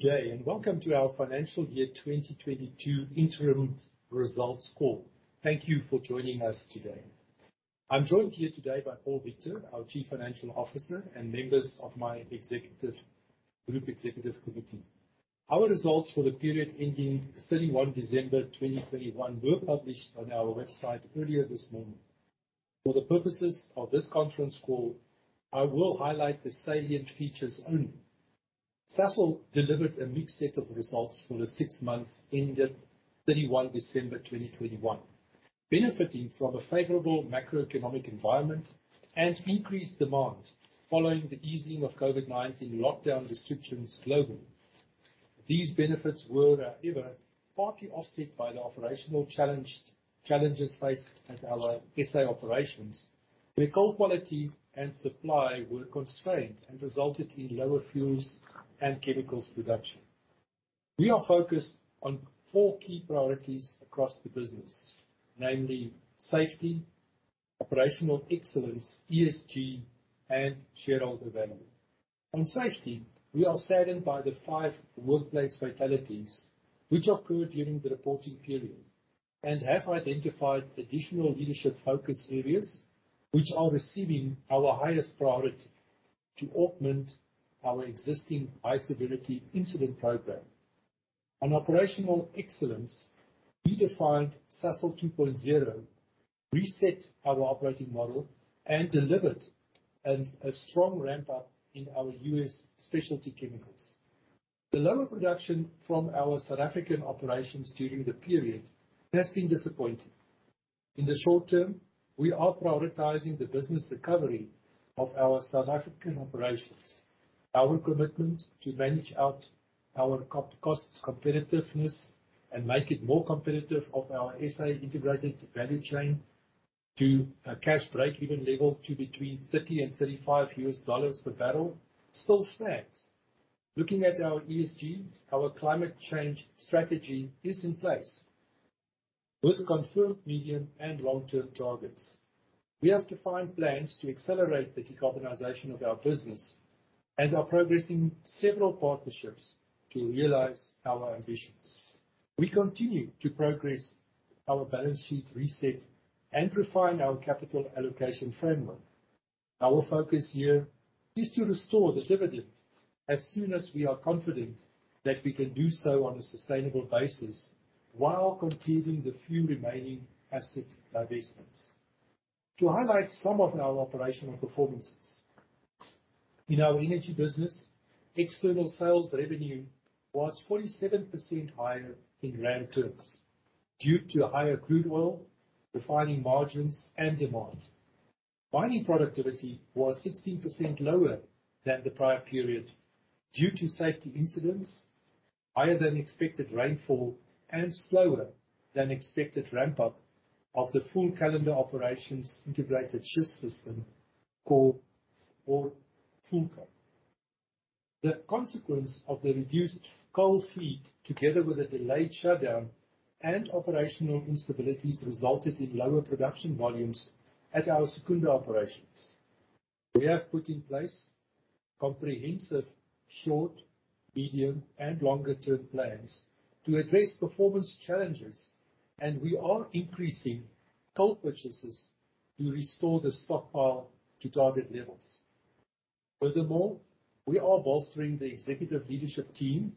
Jay, welcome to our financial year 2022 interim results call. Thank you for joining us today. I'm joined here today by Paul Victor, our Chief Financial Officer, and members of my group executive committee. Our results for the period ending 31 December 2021 were published on our website earlier this morning. For the purposes of this conference call, I will highlight the salient features only. Sasol delivered a mixed set of results for the six months ended 31 December 2021, benefiting from a favorable macroeconomic environment and increased demand following the easing of COVID-19 lockdown restrictions globally. These benefits were, however, partly offset by the operational challenges faced at our SA operations, where coal quality and supply were constrained and resulted in lower fuels and chemicals production. We are focused on four key priorities across the business, namely safety, operational excellence, ESG, and shareholder value. On safety, we are saddened by the 5 workplace fatalities which occurred during the reporting period and have identified additional leadership focus areas which are receiving our highest priority to augment our existing high severity incident program. On operational excellence, we defined Sasol 2.0, reset our operating model, and delivered a strong ramp-up in our U.S. specialty chemicals. The lower production from our South African operations during the period has been disappointing. In the short term, we are prioritizing the business recovery of our South African operations. Our commitment to manage out our cost competitiveness and make it more competitive of our SA integrated value chain to a cash break-even level to between $30 and $35 per barrel still stands. Looking at our ESG, our climate change strategy is in place with confirmed medium and long-term targets. We have defined plans to accelerate the decarbonization of our business and are progressing several partnerships to realize our ambitions. We continue to progress our balance sheet reset and refine our capital allocation framework. Our focus here is to restore the dividend as soon as we are confident that we can do so on a sustainable basis while completing the few remaining asset divestments. To highlight some of our operational performances. In our energy business, external sales revenue was 47% higher in ZAR terms due to higher crude oil refining margins and demand. Mining productivity was 16% lower than the prior period due to safety incidents, higher than expected rainfall, and slower than expected ramp-up of the full calendar operations integrated shift system, or FULLCAS. The consequence of the reduced coal feed together with a delayed shutdown and operational instabilities resulted in lower production volumes at our Secunda operations. We have put in place comprehensive short, medium, and longer-term plans to address performance challenges, and we are increasing coal purchases to restore the stockpile to target levels. Furthermore, we are bolstering the executive leadership team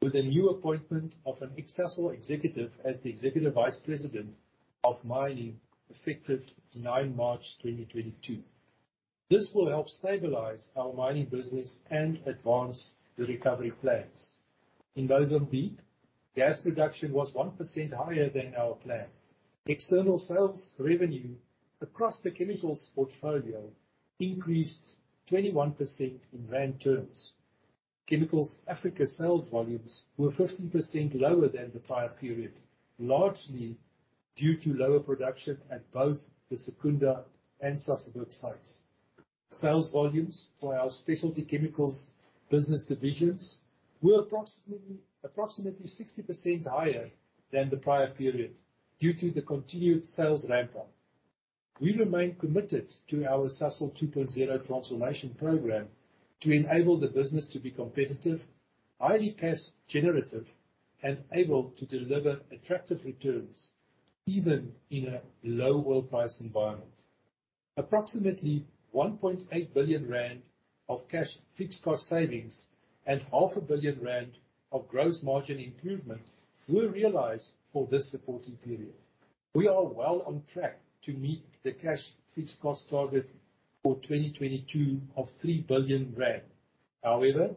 with a new appointment of an ex-Sasol executive as the Executive Vice President of Mining, effective 9 March 2022. This will help stabilize our mining business and advance the recovery plans. In Mozambique, gas production was 1% higher than our plan. External sales revenue across the chemicals portfolio increased 21% in ZAR terms. Chemicals Africa sales volumes were 15% lower than the prior period, largely due to lower production at both the Secunda and Sasolburg sites. Sales volumes for our specialty chemicals business divisions were approximately 60% higher than the prior period due to the continued sales ramp-up. We remain committed to our Sasol 2.0 transformation program to enable the business to be competitive, highly cash generative, and able to deliver attractive returns even in a low oil price environment. Approximately 1.8 billion rand of cash fixed cost savings and half a billion ZAR of gross margin improvement were realized for this reporting period. We are well on track to meet the cash fixed cost target for 2022 of 3 billion rand. However,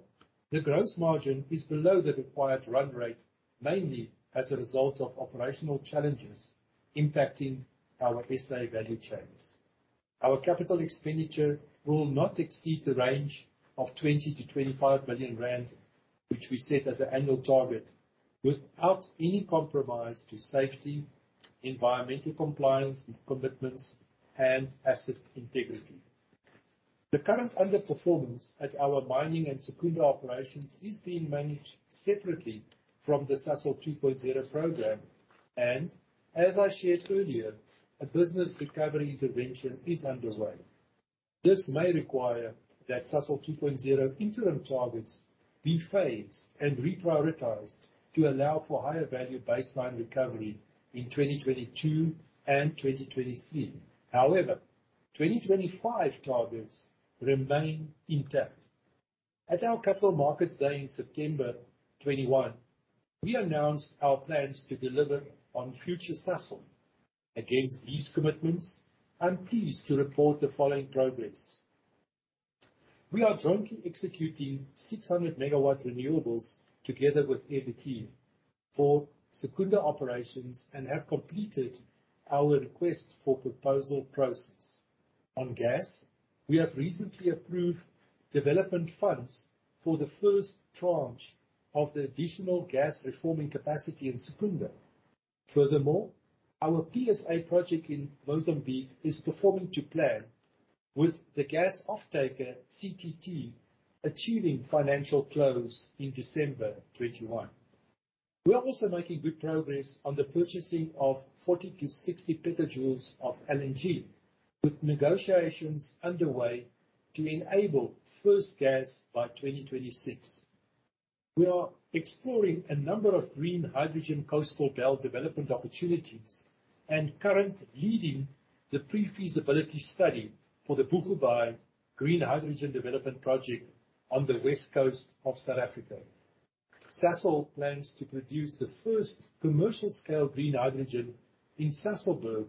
the gross margin is below the required run rate, mainly as a result of operational challenges impacting our SA value chains. Our capital expenditure will not exceed the range of 20 billion-25 billion rand, which we set as an annual target, without any compromise to safety, environmental compliance and commitments, and asset integrity. The current underperformance at our mining and Secunda operations is being managed separately from the Sasol 2.0 program and, as I shared earlier, a business recovery intervention is underway. This may require that Sasol 2.0 interim targets be phased and reprioritized to allow for higher value baseline recovery in 2022 and 2023. However, 2025 targets remain intact. At our Capital Markets Day in September 2021, we announced our plans to deliver on Future Sasol. Against these commitments, I am pleased to report the following progress. We are jointly executing 600 MW renewables together with Air Liquide for Secunda operations, and have completed our request for proposal process. On gas, we have recently approved development funds for the first tranche of the additional gas reforming capacity in Secunda. Furthermore, our PSA project in Mozambique is performing to plan with the gas offtaker CTT achieving financial close in December 2021. We are also making good progress on the purchasing of 40-60 petajoules of LNG, with negotiations underway to enable first gas by 2026. We are exploring a number of green hydrogen coastal belt development opportunities and currently leading the pre-feasibility study for the Boegoebaai green hydrogen development project on the west coast of South Africa. Sasol plans to produce the first commercial scale green hydrogen in Sasolburg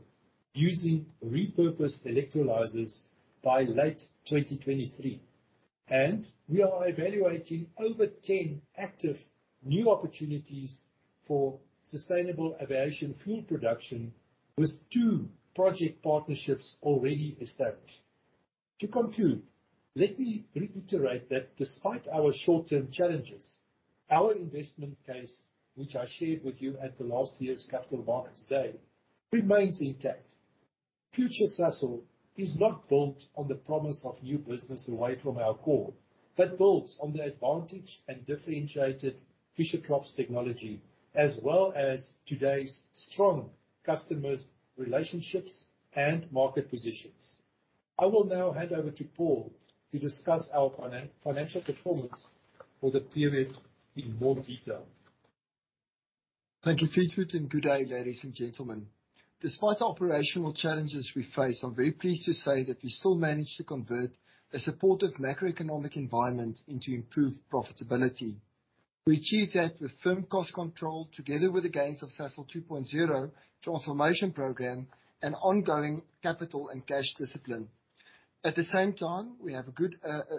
using repurposed electrolyzers by late 2023, and we are evaluating over 10 active new opportunities for sustainable aviation fuel production, with two project partnerships already established. To conclude, let me reiterate that despite our short-term challenges, our investment case, which I shared with you at the last year's Capital Markets Day, remains intact. Future Sasol is not built on the promise of new business away from our core, but builds on the advantage and differentiated Fischer-Tropsch technology, as well as today's strong customer relationships and market positions. I will now hand over to Paul to discuss our financial performance for the period in more detail. Thank you, Piet, and good day, ladies and gentlemen. Despite the operational challenges we face, I'm very pleased to say that we still managed to convert a supportive macroeconomic environment into improved profitability. We achieved that with firm cost control together with the gains of Sasol 2.0 transformation program and ongoing capital and cash discipline. At the same time, we have a good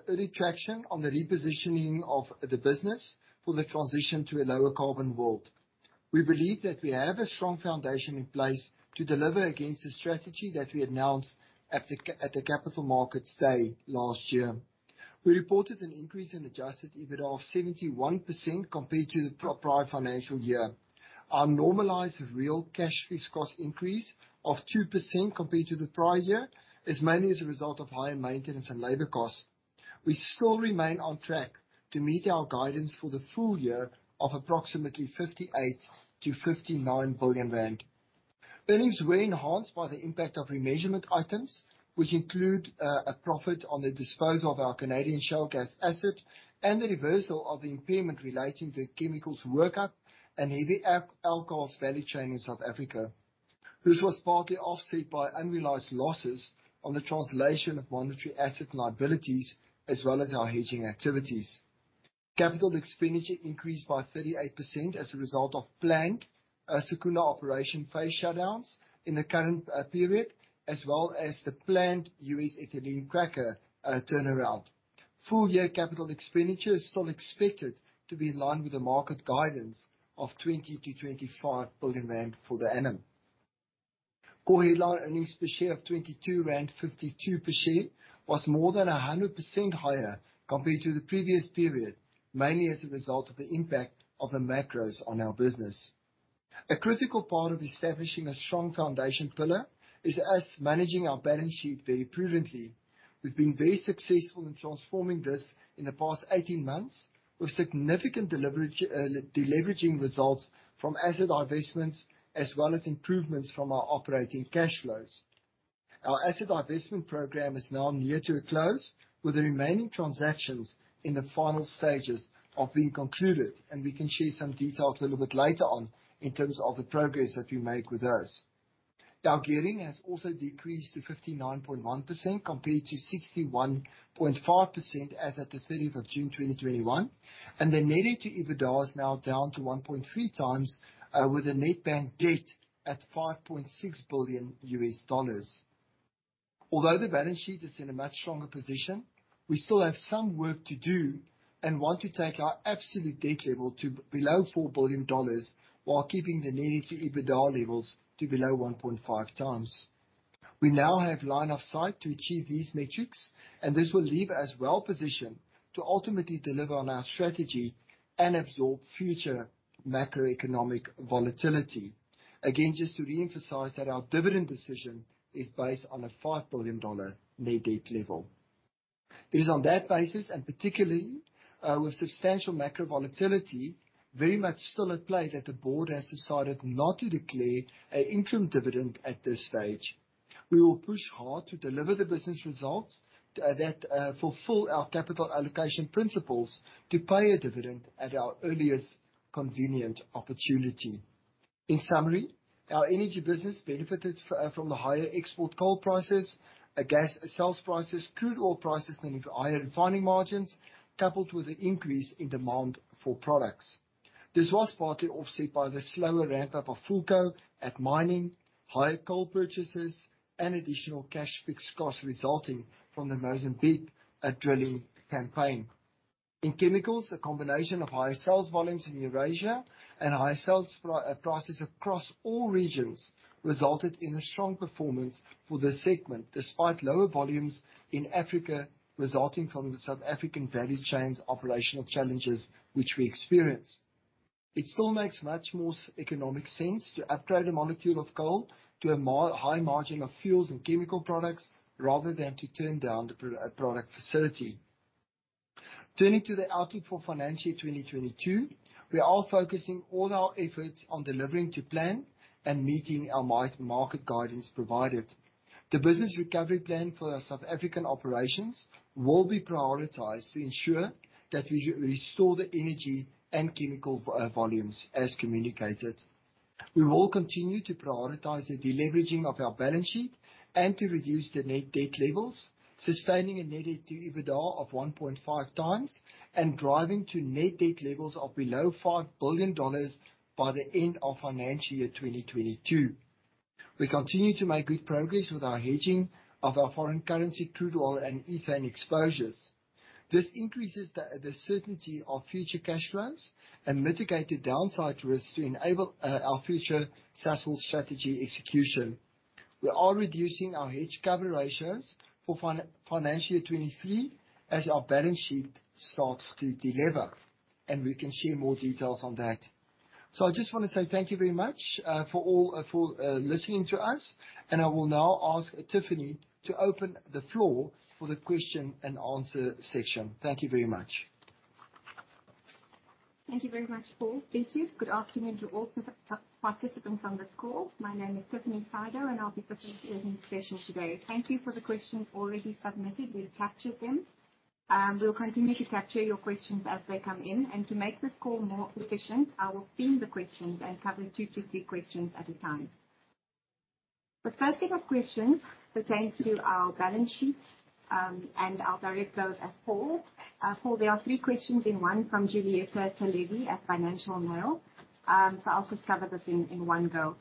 early traction on the repositioning of the business for the transition to a lower carbon world. We believe that we have a strong foundation in place to deliver against the strategy that we announced at the Capital Markets Day last year. We reported an increase in adjusted EBITDA of 71% compared to the prior financial year. Our normalized real cash fixed cost increase of 2% compared to the prior year is mainly as a result of higher maintenance and labor costs. We still remain on track to meet our guidance for the full year of approximately 58 billion-59 billion rand. Earnings were enhanced by the impact of remeasurement items, which include a profit on the disposal of our Canadian shale gas asset and the reversal of the impairment relating to the chemicals work-up and heavy alcohols value chain in South Africa. This was partly offset by unrealized losses on the translation of monetary asset liabilities as well as our hedging activities. Capital expenditure increased by 38% as a result of planned Secunda operation phase shutdowns in the current period, as well as the planned US ethylene cracker turnaround. Full-year capital expenditure is still expected to be in line with the market guidance of 20 billion-25 billion rand for the annum. Core headline earnings per share of 22.52 rand per share was more than 100% higher compared to the previous period, mainly as a result of the impact of the macros on our business. A critical part of establishing a strong foundation pillar is us managing our balance sheet very prudently. We've been very successful in transforming this in the past 18 months, with significant deleveraging results from asset divestments as well as improvements from our operating cash flows. Our asset divestment program is now near to a close, with the remaining transactions in the final stages of being concluded. We can share some details a little bit later on in terms of the progress that we make with those. Our gearing has also decreased to 59.1% compared to 61.5% as at the 30th of June 2021, and the net to EBITDA is now down to 1.3 times, with the net bank debt at ZAR 5.6 billion. The balance sheet is in a much stronger position, we still have some work to do and want to take our absolute debt level to below ZAR 4 billion while keeping the net to EBITDA levels to below 1.5 times. We now have line of sight to achieve these metrics, and this will leave us well-positioned to ultimately deliver on our strategy and absorb future macroeconomic volatility. Again, just to reemphasize that our dividend decision is based on a ZAR 5 billion net debt level. It is on that basis, and particularly with substantial macro volatility very much still at play, that the board has decided not to declare an interim dividend at this stage. We will push hard to deliver the business results that fulfill our capital allocation principles to pay a dividend at our earliest convenient opportunity. In summary, our energy business benefited from the higher export coal prices, gas sales prices, crude oil prices, and higher refining margins, coupled with the increase in demand for products. This was partly offset by the slower ramp-up of Fulco at mining, higher coal purchases, and additional cash fixed costs resulting from the Mozambique drilling campaign. In chemicals, a combination of higher sales volumes in Eurasia and higher sales prices across all regions resulted in a strong performance for the segment, despite lower volumes in Africa resulting from the South African value chain's operational challenges, which we experienced. It still makes much more economic sense to upgrade a molecule of coal to a high margin of fuels and chemical products, rather than to turn down the product facility. Turning to the outlook for financial year 2022. We are focusing all our efforts on delivering to plan and meeting our market guidance provided. The business recovery plan for our South African operations will be prioritized to ensure that we restore the energy and chemical volumes as communicated. We will continue to prioritize the deleveraging of our balance sheet and to reduce the net debt levels, sustaining a net debt to EBITDA of 1.5 times and driving to net debt levels of below ZAR 5 billion by the end of financial year 2022. We continue to make good progress with our hedging of our foreign currency, crude oil and ethane exposures. This increases the certainty of future cash flows and mitigate the downside risks to enable our future Sasol strategy execution. I just want to say thank you very much for listening to us, and I will now ask Tiffany to open the floor for the question and answer session. Thank you very much. Thank you very much, Paul. Good afternoon to all participants on this call. My name is Tiffany Sydow, and I'll be facilitating the session today. Thank you for the questions already submitted. We've captured them. We'll continue to capture your questions as they come in. To make this call more efficient, I will theme the questions and cover two to three questions at a time. The first set of questions pertains to our balance sheet, and I'll direct those at Paul. Paul, there are three questions in one from Julietta Talebi at Financial Mail. I'll just cover this in one go.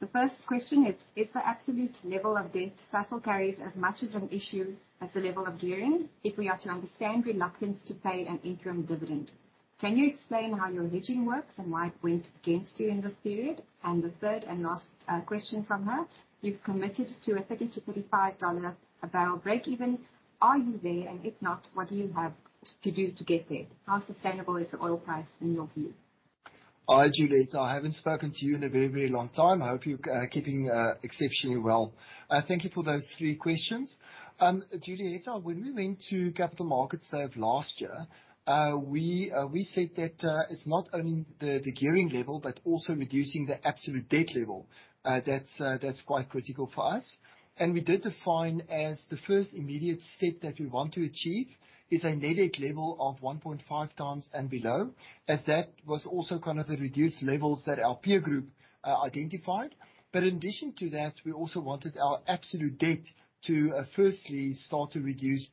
The first question is the absolute level of debt Sasol carries as much as an issue as the level of gearing if we are to understand reluctance to pay an interim dividend? Can you explain how your hedging works and why it went against you in this period? The third and last question from her, you've committed to a $30-$35 barrel breakeven. Are you there? If not, what do you have to do to get there? How sustainable is the oil price in your view? Hi, Julietta. I haven't spoken to you in a very long time. I hope you're keeping exceptionally well. Thank you for those three questions. Julietta, when we went to Capital Markets Day of last year, we said that it's not only the gearing level but also reducing the absolute debt level that's quite critical for us. We did define as the first immediate step that we want to achieve is a net debt level of 1.5 times and below, as that was also kind of the reduced levels that our peer group identified. In addition to that, we also wanted our absolute debt to firstly start to reduce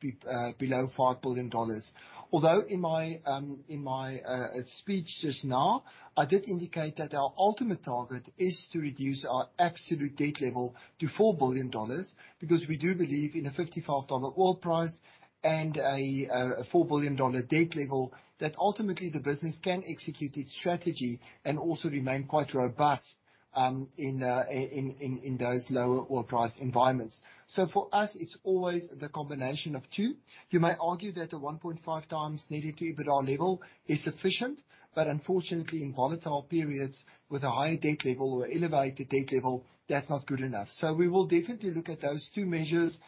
below $5 billion. Although in my speech just now, I did indicate that our ultimate target is to reduce our absolute debt level to $4 billion, because we do believe in a $55 oil price and a $4 billion debt level, that ultimately the business can execute its strategy and also remain quite robust in those lower oil price environments. For us, it's always the combination of two. You may argue that a 1.5 times net debt to EBITDA level is sufficient, unfortunately in volatile periods with a higher debt level or elevated debt level, that's not good enough. We will definitely look at those two measures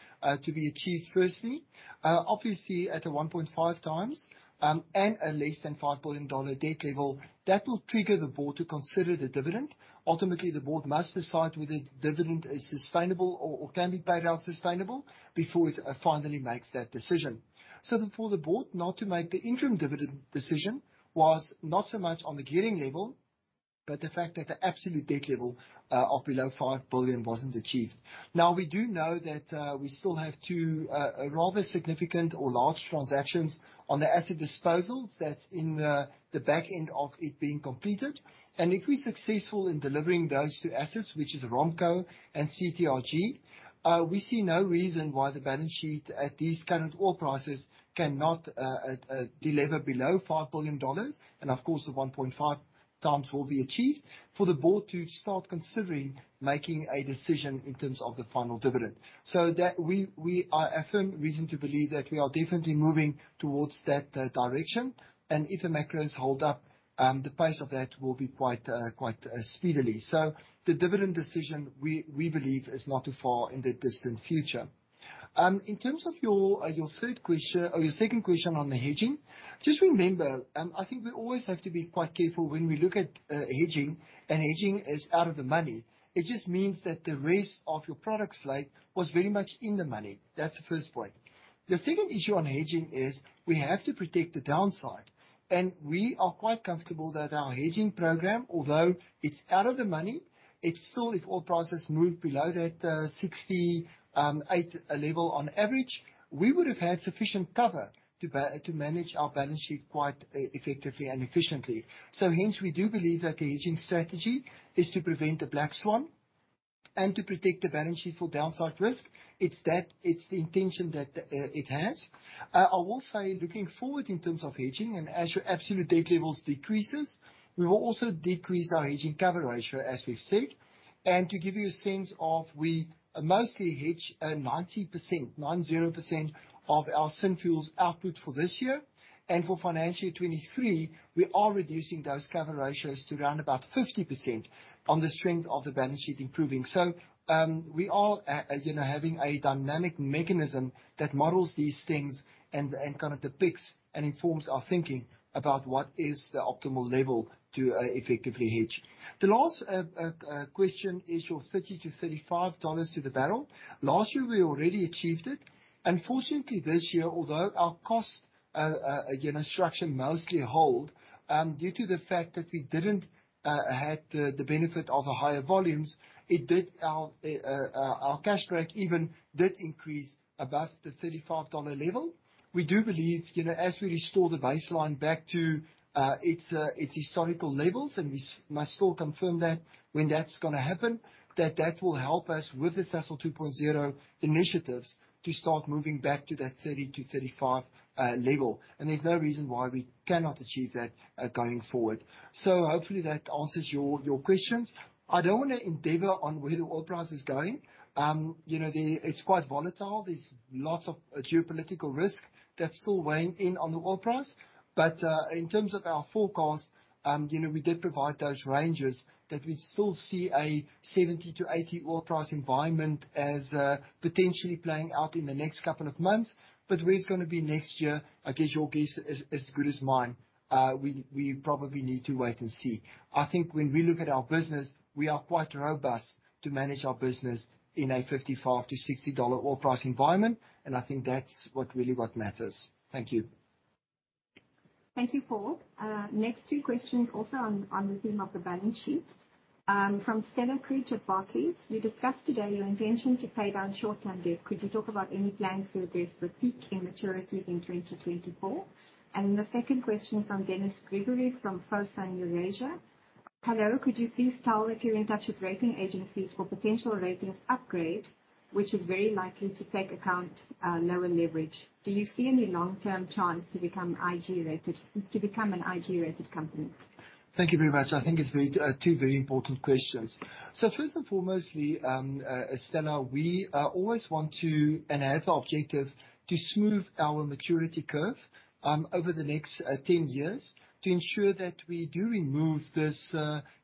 to be achieved firstly. Obviously, at a 1.5 times and a less than $5 billion debt level, that will trigger the board to consider the dividend. Ultimately, the board must decide whether the dividend is sustainable or can be paid out sustainable before it finally makes that decision. For the board not to make the interim dividend decision was not so much on the gearing level, but the fact that the absolute debt level of below $5 billion wasn't achieved. Now, we do know that we still have two rather significant or large transactions on the asset disposals that's in the back end of it being completed. If we're successful in delivering those two assets, which is ROMPCO and CTRG, we see no reason why the balance sheet at these current oil prices cannot delever below $5 billion. Of course, the 1.5 times will be achieved for the board to start considering making a decision in terms of the final dividend. We have firm reason to believe that we are definitely moving towards that direction. If the macros hold up, the pace of that will be quite speedily. The dividend decision, we believe, is not too far in the distant future. In terms of your second question on the hedging, we always have to be quite careful when we look at hedging. Hedging is out of the money. It just means that the rest of your product slate was very much in the money. That's the first point. The second issue on hedging is we have to protect the downside, and we are quite comfortable that our hedging program, although it's out of the money, it's still, if oil prices move below that 68 level on average, we would have had sufficient cover to manage our balance sheet quite effectively and efficiently. Hence, we do believe that the hedging strategy is to prevent a black swan and to protect the balance sheet for downside risk. It's the intention that it has. I will say, looking forward in terms of hedging and as your absolute debt levels decreases, we will also decrease our hedging cover ratio, as we've said. To give you a sense of we mostly hedge 90% of our Synfuels output for this year. For financial year 2023, we are reducing those cover ratios to around about 50% on the strength of the balance sheet improving. We are having a dynamic mechanism that models these things and kind of depicts and informs our thinking about what is the optimal level to effectively hedge. The last question is your $30 to $35 to the barrel. Last year we already achieved it. Unfortunately, this year, although our cost structure mostly held, due to the fact that we didn't have the benefit of the higher volumes, our cash break-even did increase above the $35 level. We do believe, as we restore the baseline back to its historical levels, we must still confirm that when that's going to happen, that that will help us with the Sasol 2.0 initiatives to start moving back to that $30 to $35 level. There's no reason why we cannot achieve that going forward. Hopefully that answers your questions. I don't want to opine on where the oil price is going. It's quite volatile. There's lots of geopolitical risk that's still weighing in on the oil price. In terms of our forecast, we did provide those ranges that we still see a $70 to $80 oil price environment as potentially playing out in the next couple of months. Where it's going to be next year, I guess your guess is as good as mine. We probably need to wait and see. I think when we look at our business, we are quite robust to manage our business in a $55 to $60 oil price environment, and I think that's what really matters. Thank you. Thank you, Paul. Next two questions also on the theme of the balance sheet. From Stella Creeper, Barclays. You discussed today your intention to pay down short-term debt. Could you talk about any plans to address the peak in maturities in 2024? The second question from Dennis Gregory from Fosen Eurasia. Hello, could you please tell if you're in touch with rating agencies for potential ratings upgrade, which is very likely to take account lower leverage. Do you see any long-term chance to become an IG-rated company? Thank you very much. I think it's two very important questions. First and foremost, Stella, we always want to enhance our objective to smooth our maturity curve over the next 10 years, to ensure that we do remove this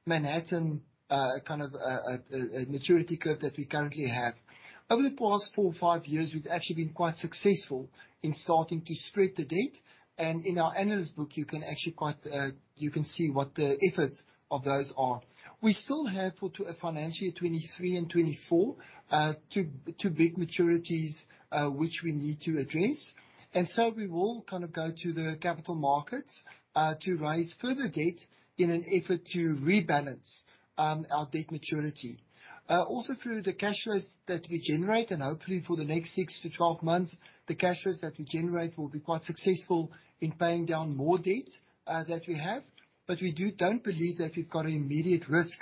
Manhattan kind of maturity curve that we currently have. Over the past four or five years, we've actually been quite successful in starting to spread the debt. In our analyst book, you can see what the efforts of those are. We still have for financial year 2023 and 2024, two big maturities which we need to address. We will kind of go to the capital markets to raise further debt in an effort to rebalance our debt maturity. Through the cash flows that we generate, and hopefully for the next 6 to 12 months, the cash flows that we generate will be quite successful in paying down more debt that we have. We don't believe that we've got an immediate risk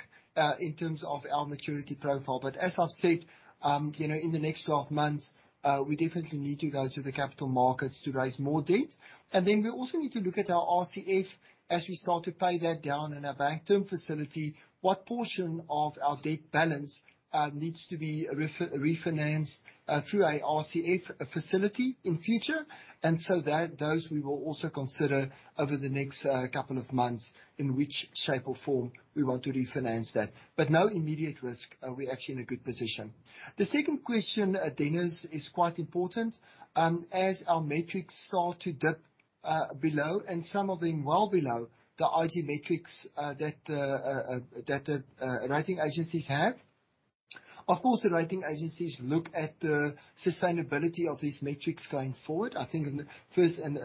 in terms of our maturity profile. As I've said, in the next 12 months, we definitely need to go to the capital markets to raise more debt. We also need to look at our RCF as we start to pay that down in our bank term facility, what portion of our debt balance needs to be refinanced through a RCF facility in future. Those we will also consider over the next couple of months in which shape or form we want to refinance that. No immediate risk. We're actually in a good position. The second question, Dennis, is quite important. As our metrics start to dip below, and some of them well below, the IG metrics that the rating agencies have. Of course, the rating agencies look at the sustainability of these metrics going forward, I think first and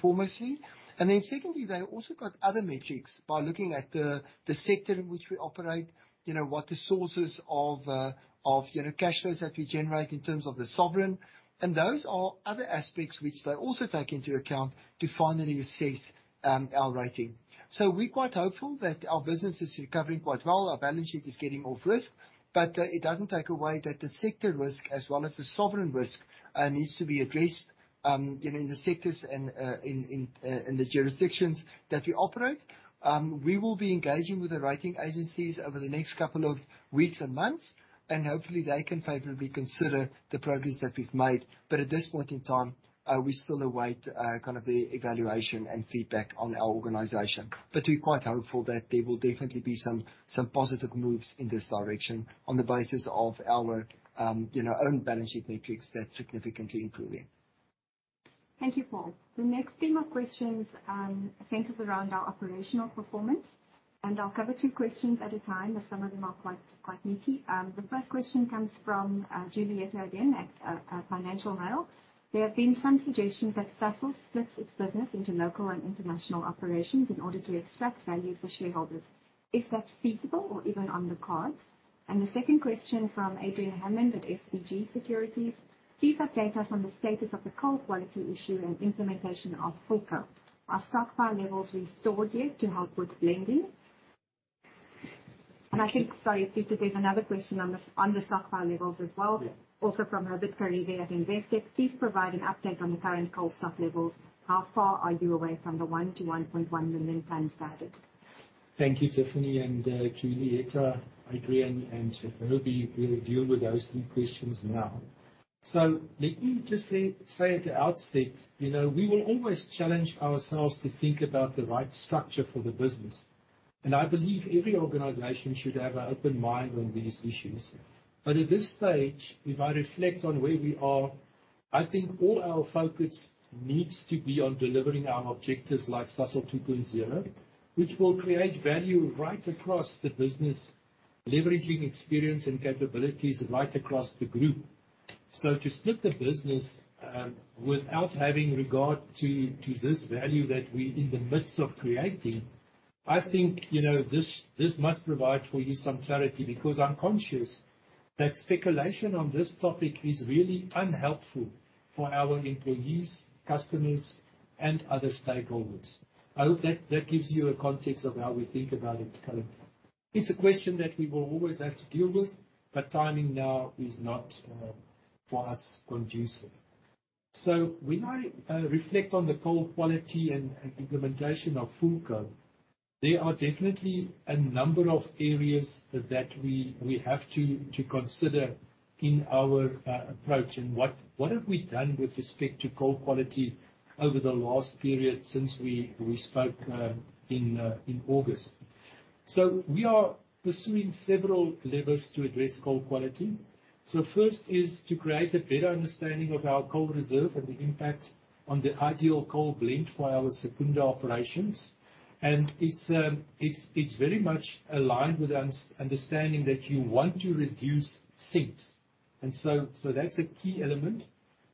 foremostly. Secondly, they also got other metrics by looking at the sector in which we operate, what the sources of cash flows that we generate in terms of the sovereign. Those are other aspects which they also take into account to finally assess our rating. We're quite hopeful that our business is recovering quite well. Our balance sheet is getting off risk. It doesn't take away that the sector risk as well as the sovereign risk needs to be addressed in the sectors and in the jurisdictions that we operate. We will be engaging with the rating agencies over the next couple of weeks and months, hopefully they can favorably consider the progress that we've made. At this point in time, we still await the evaluation and feedback on our organization. We're quite hopeful that there will definitely be some positive moves in this direction on the basis of our own balance sheet metrics that's significantly improving. Thank you, Paul. The next theme of questions centers around our operational performance, I'll cover two questions at a time, as some of them are quite meaty. The first question comes from Julietta again at Financial Mail. There have been some suggestions that Sasol splits its business into local and international operations in order to extract value for shareholders. Is that feasible or even on the cards? The second question from Adrian Hammond at SBG Securities. Please update us on the status of the coal quality issue and implementation of Fulco. Are stockpile levels restored yet to help with blending? I think, sorry, Peter, there's another question on the stockpile levels as well, also from Robert Carnevale at Investec. Please provide an update on the current coal stock levels. How far are you away from the 1 million-1.1 million tons target? Thank you, Tiffany and Julietta, Adrian, and Herbie. We'll deal with those three questions now. Let me just say at the outset, we will always challenge ourselves to think about the right structure for the business. I believe every organization should have an open mind on these issues. At this stage, if I reflect on where we are, I think all our focus needs to be on delivering our objectives like Sasol 2.0, which will create value right across the business, leveraging experience and capabilities right across the group. To split the business without having regard to this value that we're in the midst of creating, I think this must provide for you some clarity, because I'm conscious that speculation on this topic is really unhelpful for our employees, customers, and other stakeholders. I hope that gives you a context of how we think about it going forward. It's a question that we will always have to deal with, but timing now is not, for us, conducive. When I reflect on the coal quality and implementation of Fulco, there are definitely a number of areas that we have to consider in our approach and what have we done with respect to coal quality over the last period since we spoke in August. We are pursuing several levers to address coal quality. First is to create a better understanding of our coal reserve and the impact on the ideal coal blend for our Secunda operations. It's very much aligned with an understanding that you want to reduce sinks. That's a key element.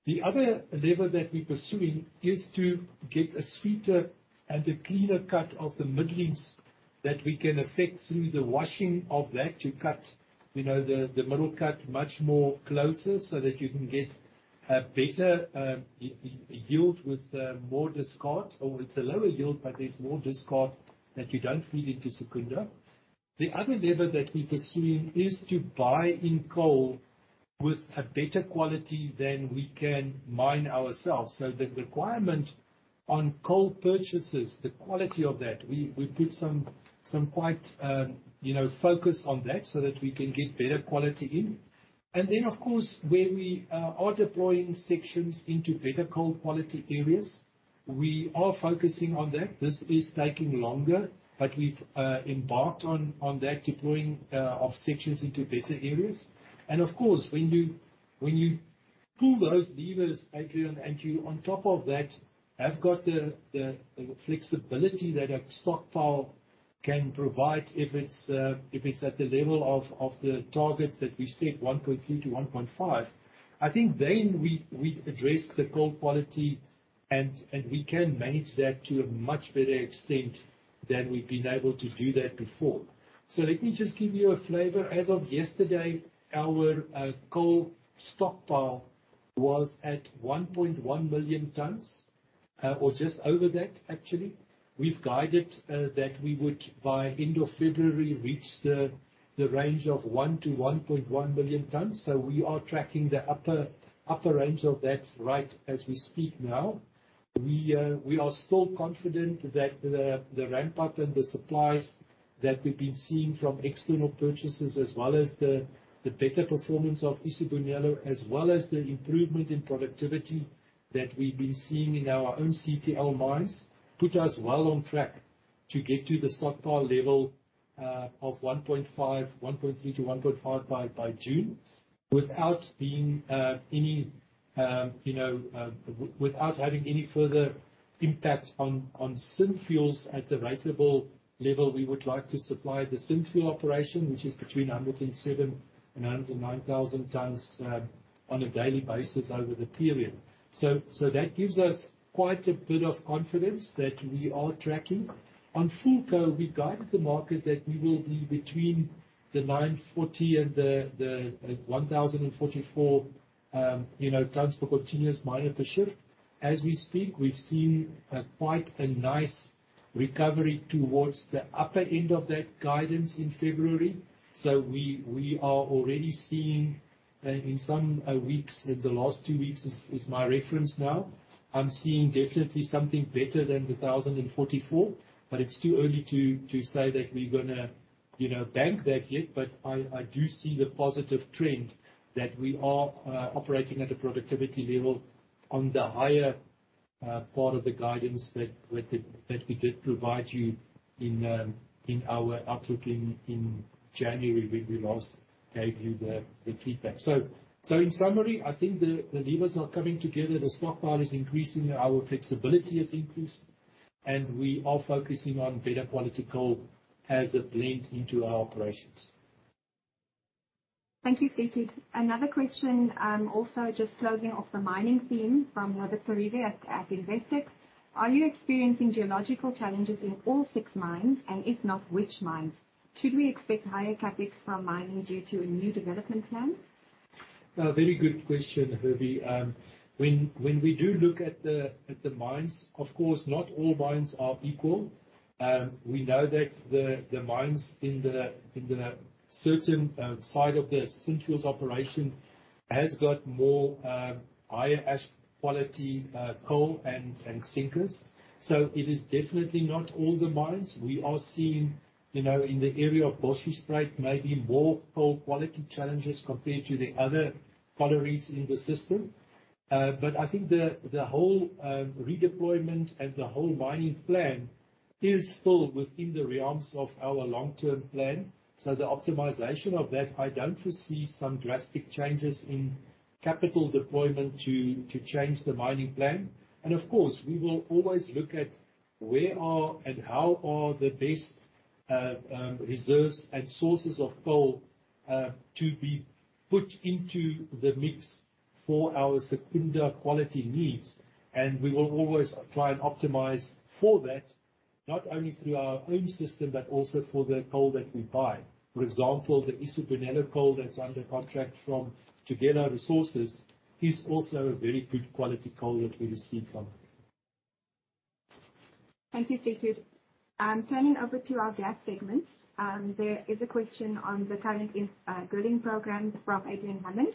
The other lever that we're pursuing is to get a sweeter and a cleaner cut of the middlings that we can effect through the washing of that to cut the middle cut much more closer so that you can get a better yield with more discard, or it's a lower yield, but there's more discard that you don't feed into Secunda. The other lever that we're pursuing is to buy in coal with a better quality than we can mine ourselves. The requirement on coal purchases, the quality of that, we put some quite focus on that so that we can get better quality in. Then, of course, where we are deploying sections into better coal quality areas, we are focusing on that. This is taking longer, but we've embarked on that deploying of sections into better areas. Of course, when you pull those levers, Adrian, and you on top of that, have got the flexibility that a stockpile can provide if it's at the level of the targets that we set, 1.3 million-1.5 million, I think then we address the coal quality, and we can manage that to a much better extent than we've been able to do that before. Let me just give you a flavor. As of yesterday, our coal stockpile was at 1.1 million tons, or just over that, actually. We've guided that we would, by end of February, reach the range of 1 million-1.1 million tons. We are tracking the upper range of that right as we speak now. We are still confident that the ramp-up and the supplies that we've been seeing from external purchases, as well as the better performance of Isibonelo, as well as the improvement in productivity that we've been seeing in our own CTL mines, put us well on track to get to the stockpile level of 1.3 million-1.5 million by June without having any further impact on Synfuels at the ratable level we would like to supply the Synfuels operation, which is between 107,000-109,000 tons on a daily basis over the period. That gives us quite a bit of confidence that we are tracking. On Fulco, we've guided the market that we will be between the 940-1,044 tons per continuous miner per shift. As we speak, we've seen quite a nice recovery towards the upper end of that guidance in February. We are already seeing in some weeks, the last two weeks is my reference now. I'm seeing definitely something better than 1,044, but it's too early to say that we're going to bank that yet, but I do see the positive trend that we are operating at a productivity level on the higher part of the guidance that we did provide you in our outlook in January, when we last gave you the feedback. In summary, I think the levers are coming together. The stockpile is increasing, our flexibility has increased, and we are focusing on better quality coal as it blends into our operations. Thank you, Pluitje. Another question, also just closing off the mining theme from Robert Karivi at Investec. Are you experiencing geological challenges in all six mines, and if not, which mines? Should we expect higher CapEx from mining due to a new development plan? A very good question, Karivi. When we do look at the mines, of course, not all mines are equal. We know that the mines in the certain side of the Secunda operation has got more higher ash quality coal and sinkers. It is definitely not all the mines. We are seeing in the area of Bosjesspruit, maybe more coal quality challenges compared to the other collieries in the system. But I think the whole redeployment and the whole mining plan is still within the realms of our long-term plan. The optimization of that, I don't foresee some drastic changes in capital deployment to change the mining plan. And of course, we will always look at where are and how are the best reserves and sources of coal to be put into the mix for our Secunda quality needs. And we will always try and optimize for that, not only through our own system but also for the coal that we buy. For example, the Isophelapho coal that's under contract from Tegeta Resources is also a very good quality coal that we receive from them. Thank you, Pluitje. Turning over to our gas segment. There is a question on the current infilling program from Adrian Hammond.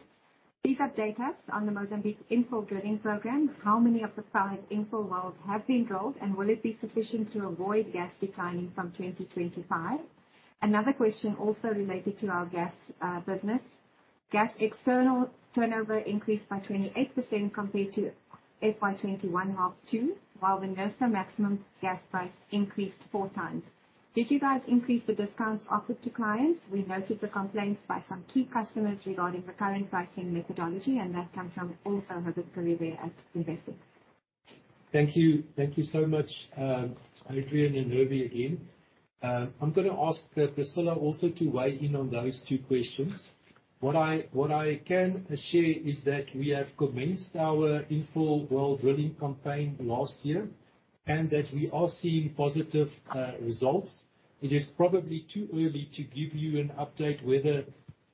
Please update us on the Mozambique infill drilling program. How many of the five infill wells have been drilled, and will it be sufficient to avoid gas declining from 2025? Another question also related to our gas business. Gas external turnover increased by 28% compared to FY 2021 half two, while the NERSA maximum gas price increased four times. Did you guys increase the discounts offered to clients? We noted the complaints by some key customers regarding the current pricing methodology, and that comes from also Robert Karivi at Investec. Thank you. Thank you so much, Adrian and Karivi again. I'm going to ask Priscillah also to weigh in on those two questions. What I can share is that we have commenced our infill well drilling campaign last year, and that we are seeing positive results. It is probably too early to give you an update whether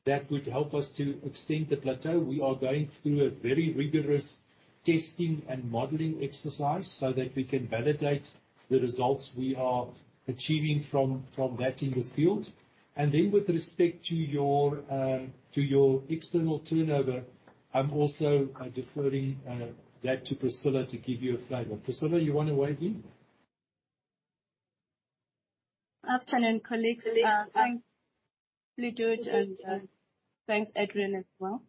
that would help us to extend the plateau. We are going through a very rigorous testing and modeling exercise so that we can validate the results we are achieving from that in the field. With respect to your external turnover, I'm also deferring that to Priscillah to give you a flavor. Priscillah, you want to weigh in? Afternoon, colleagues. Colleagues, hi. Thanks, Pluitje, and thanks, Adrian, as well.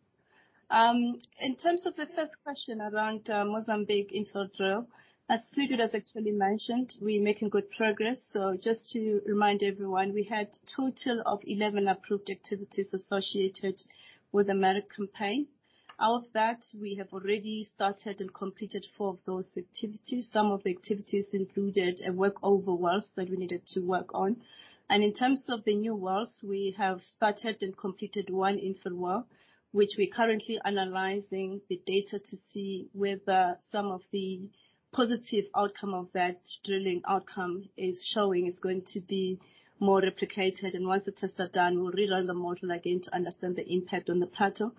In terms of the third question around Mozambique infill drill, as Pluitje has actually mentioned, we're making good progress. Just to remind everyone, we had total of 11 approved activities associated with the Medupi campaign. Out of that, we have already started and completed four of those activities. Some of the activities included a workover wells that we needed to work on. In terms of the new wells, we have started and completed one infill well, which we're currently analyzing the data to see whether some of the positive outcome of that drilling outcome is showing is going to be more replicated. Once the tests are done, we'll rerun the model again to understand the impact on the plateau.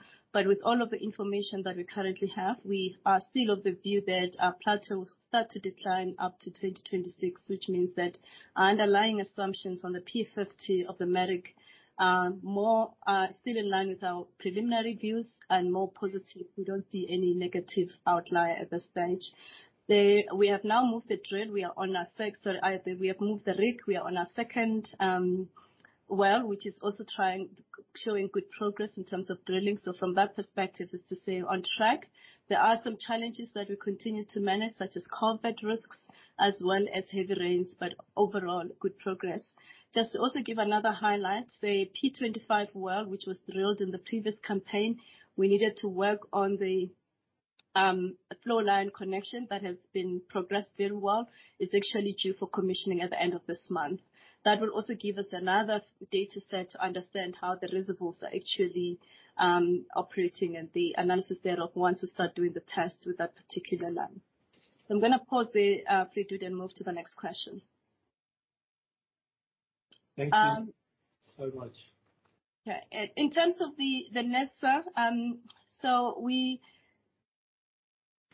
With all of the information that we currently have, we are still of the view that our plateau will start to decline up to 2026, which means that our underlying assumptions on the P50 of the Medupi are still in line with our preliminary views and more positive. We do not see any negative outlier at this stage. We have now moved the rig. We are on our second well, which is also showing good progress in terms of drilling. So from that perspective, is on track. There are some challenges that we continue to manage, such as COVID risks as well as heavy rains, but overall, good progress. Just to also give another highlight, the P25 well, which was drilled in the previous campaign, we needed to work on the flow line connection that has been progressed very well. It is actually due for commissioning at the end of this month. That will also give us another data set to understand how the reservoirs are actually operating and the analysis thereof, once we start doing the tests with that particular line. I am going to pause there, Pluitje, then move to the next question. Thank you so much. In terms of the NERSA, we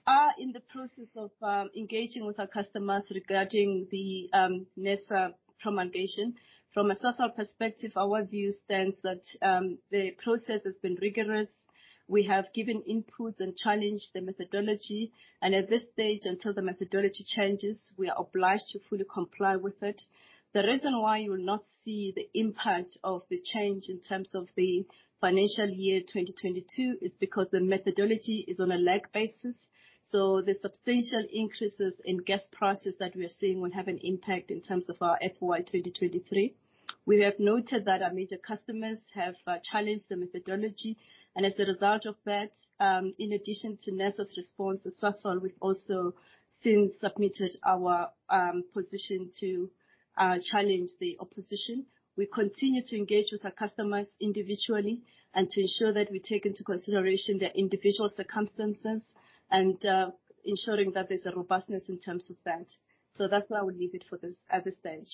are in the process of engaging with our customers regarding the NERSA promulgation. From a Sasol perspective, our view stands that the process has been rigorous. We have given inputs and challenged the methodology, and at this stage, until the methodology changes, we are obliged to fully comply with it. The reason why you will not see the impact of the change in terms of the FY 2022 is because the methodology is on a lag basis. The substantial increases in gas prices that we are seeing will have an impact in terms of our FY 2023. We have noted that our major customers have challenged the methodology. As a result of that, in addition to NERSA's response to Sasol, we have also since submitted our position to challenge the opposition. We continue to engage with our customers individually and to ensure that we take into consideration their individual circumstances and ensuring that there's a robustness in terms of that. That's where I would leave it at this stage.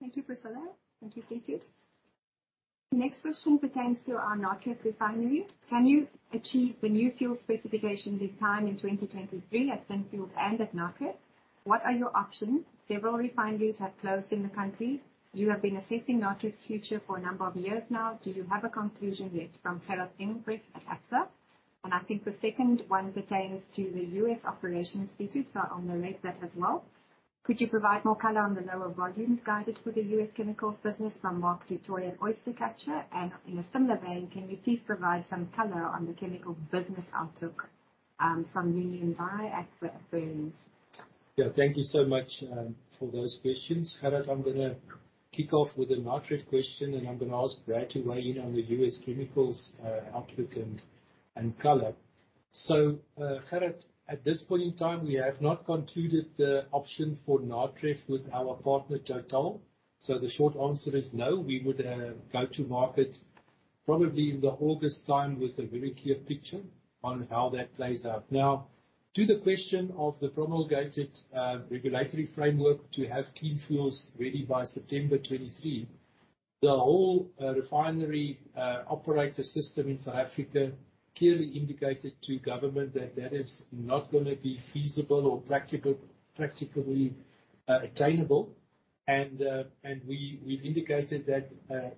Thank you, Phumzile. Thank you, Fleetwood. Next question pertains to our Natref refinery. "Can you achieve the new fuel specifications in time in 2023 at Synfuels and at Natref? What are your options? Several refineries have closed in the country. You have been assessing Natref's future for a number of years now. Do you have a conclusion yet?" From Gerrit Hengst at Absa. I think the second one pertains to the U.S. operations, Fleetwood, so I'll direct that as well. "Could you provide more color on the lower volumes guided for the U.S. chemicals business?" From Mark DeToyer at Oyster Catcher. In a similar vein, "Can you please provide some color on the chemicals business outlook?" From Union Dai at Burns. Thank you so much for those questions. Gerrit, I'm going to kick off with the Natref question, and I'm going to ask Brad to weigh in on the U.S. chemicals outlook and color. Gerrit, at this point in time, we have not concluded the option for Natref with our partner, TotalEnergies. The short answer is no. We would go to market probably in the August time with a very clear picture on how that plays out. To the question of the promulgated regulatory framework to have clean fuels ready by September 2023. The whole refinery operator system in South Africa clearly indicated to government that that is not going to be feasible or practicably attainable. We've indicated that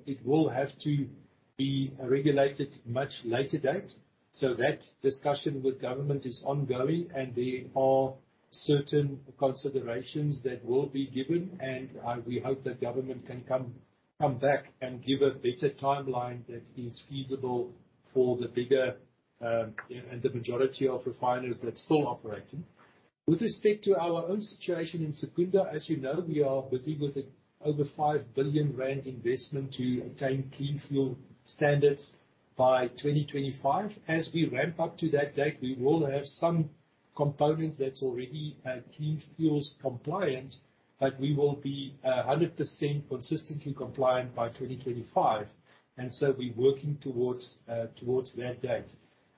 it will have to be regulated much later date. That discussion with government is ongoing, and there are certain considerations that will be given, and we hope that government can come back and give a better timeline that is feasible for the bigger and the majority of refiners that's still operating. With respect to our own situation in Secunda, as you know, we are busy with an over 5 billion rand investment to attain clean fuel standards by 2025. As we ramp up to that date, we will have some components that's already clean fuels compliant, but we will be 100% consistently compliant by 2025. We're working towards that date.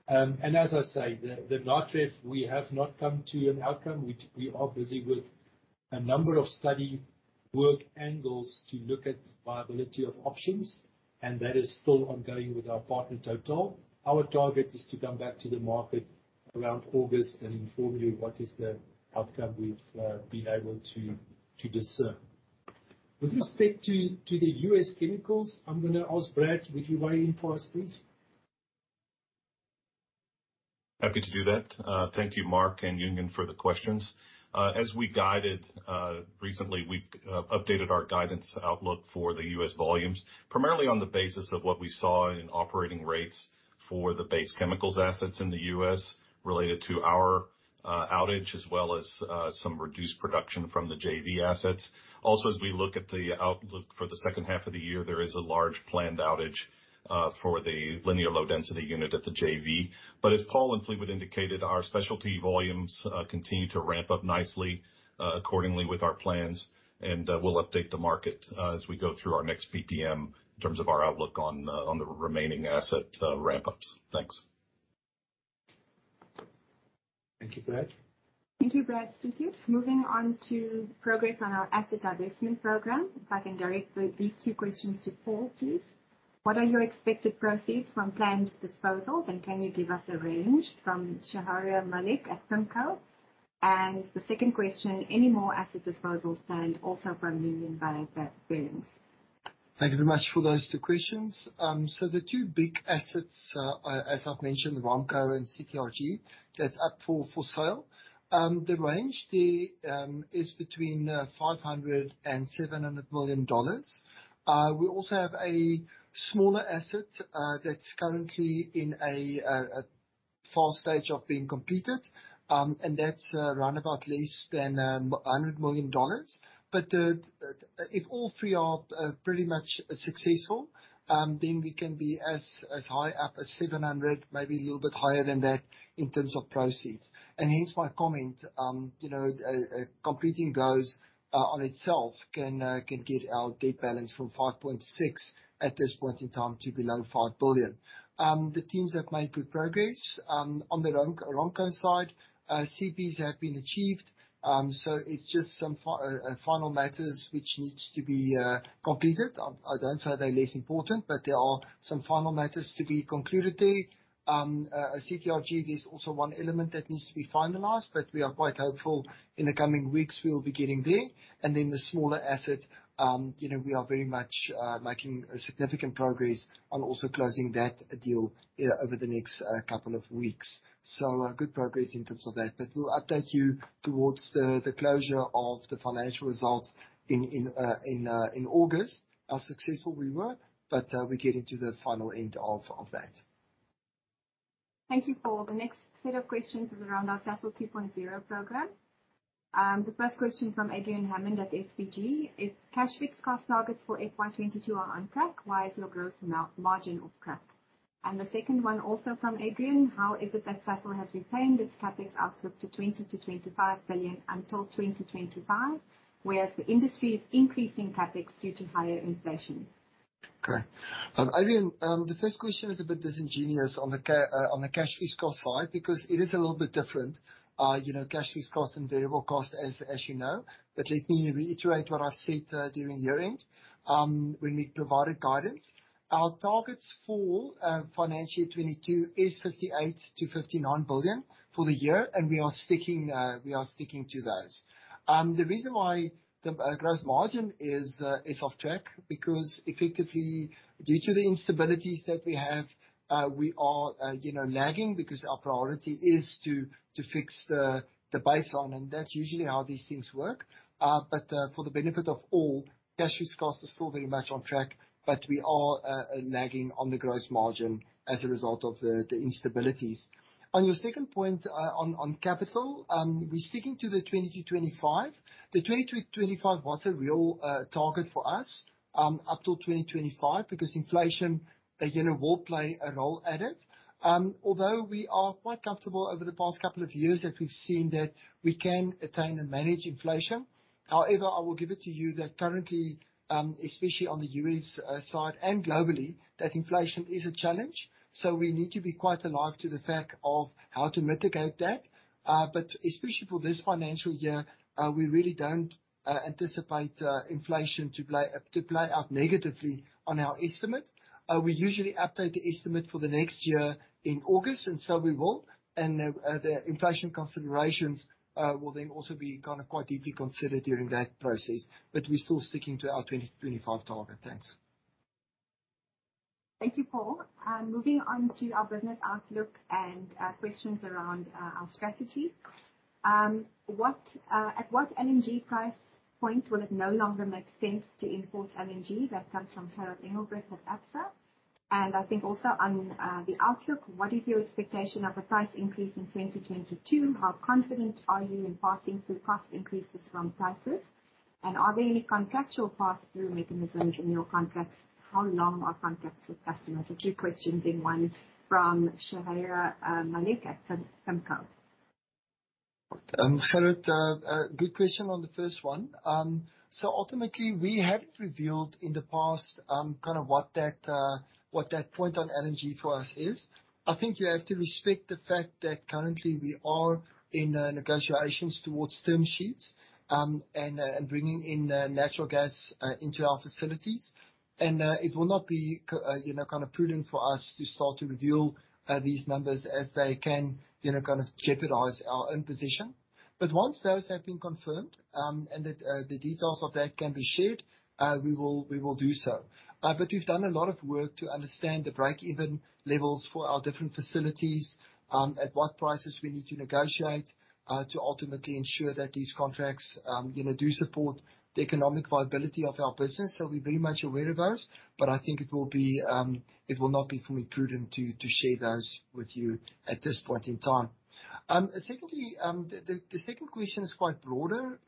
As I say, the Natref, we have not come to an outcome. We are busy with a number of study work angles to look at viability of options, and that is still ongoing with our partner, TotalEnergies. Our target is to come back to the market around August and inform you what is the outcome we've been able to discern. With respect to the U.S. chemicals, I'm going to ask Brad. Would you weigh in for us, please? Happy to do that. Thank you, Mark and Union, for the questions. As we guided recently, we updated our guidance outlook for the U.S. volumes, primarily on the basis of what we saw in operating rates for the base chemicals assets in the U.S. related to our outage, as well as some reduced production from the JV assets. Also, as we look at the outlook for the second half of the year, there is a large planned outage for the linear low-density unit at the JV. As Paul and Fleetwood indicated, our specialty volumes continue to ramp up nicely, accordingly with our plans, and we'll update the market as we go through our next PTM in terms of our outlook on the remaining asset ramp-ups. Thanks. Thank you, Brad. Thank you, Brad. Fleetwood. Moving on to progress on our asset divestment program. If I can direct these two questions to Paul, please. "What are your expected proceeds from planned disposals, and can you give us a range?" From Shahira Malik at Simco. The second question, "Any more asset disposals planned?" Also from Union Dai at Burns. Thank you very much for those two questions. The two big assets, as I've mentioned, ROMPCO and CTRG, that's up for sale. The range there is between $500 million-$700 million. We also have a smaller asset that's currently in a far stage of being completed, and that's around about less than $100 million. If all three are pretty much successful, we can be as high up as $700 million, maybe a little bit higher than that in terms of proceeds. Hence my comment, completing those on itself can get our debt balance from 5.6 billion at this point in time to below 5 billion. The teams have made good progress. On the ROMPCO side, CPs have been achieved. It's just some final matters which needs to be completed. I don't say they're less important, but there are some final matters to be concluded there. CTRG, there's also one element that needs to be finalized, we are quite hopeful in the coming weeks we will be getting there. The smaller asset, we are very much making significant progress on also closing that deal over the next couple of weeks. Good progress in terms of that. We'll update you towards the closure of the financial results in August, how successful we were. We're getting to the final end of that. Thank you, Paul. The next set of questions is around our Sasol 2.0 Program. The first question from Adrian Hammond at SBG Securities. If cash fixed cost targets for FY 2022 are on track, why is your gross margin off track? The second one also from Adrian, how is it that Sasol has retained its CapEx outlook to 20 billion-25 billion until 2025, whereas the industry is increasing CapEx due to higher inflation? Great. Adrian, the first question is a bit disingenuous on the cash fixed cost side, because it is a little bit different. Cash fixed cost and variable cost as you know. Let me reiterate what I said during year-end, when we provided guidance. Our targets for financial year 2022 is 58 billion-59 billion for the year, we are sticking to those. The reason why the gross margin is off track, because effectively, due to the instabilities that we have, we are lagging because our priority is to fix the baseline, and that's usually how these things work. For the benefit of all, cash fixed cost is still very much on track, we are lagging on the gross margin as a result of the instabilities. On your second point, on capital, we're sticking to the 20 billion-25 billion. The 20-25 was a real target for us, up till 2025, because inflation will play a role at it. Although we are quite comfortable over the past couple of years that we've seen that we can attain and manage inflation. However, I will give it to you that currently, especially on the U.S. side and globally, that inflation is a challenge. We need to be quite alive to the fact of how to mitigate that. Especially for this financial year, we really don't anticipate inflation to play out negatively on our estimate. We usually update the estimate for the next year in August, we will. The inflation considerations will then also be kind of quite deeply considered during that process. We're still sticking to our 2025 target. Thanks. Thank you, Paul. Moving on to our business outlook and questions around our strategy. At what LNG price point will it no longer make sense to import LNG? That comes from Gerhard Engelbrecht at Absa. I think also on the outlook, what is your expectation of a price increase in 2022? How confident are you in passing through cost increases from prices? Are there any contractual pass-through mechanisms in your contracts? How long are contracts with customers? Two questions in one from Shahira Malik at Sasfin. Gerhard, good question on the first one. Ultimately, we haven't revealed in the past kind of what that point on LNG for us is. I think you have to respect the fact that currently we are in negotiations towards term sheets, and bringing in natural gas into our facilities. It will not be prudent for us to start to reveal these numbers as they can kind of jeopardize our own position. Once those have been confirmed, and the details of that can be shared, we will do so. We've done a lot of work to understand the break-even levels for our different facilities, at what prices we need to negotiate, to ultimately ensure that these contracts do support the economic viability of our business. We're very much aware of those, but I think it will not be for me prudent to share those with you at this point in time. Secondly, the second question is quite broader.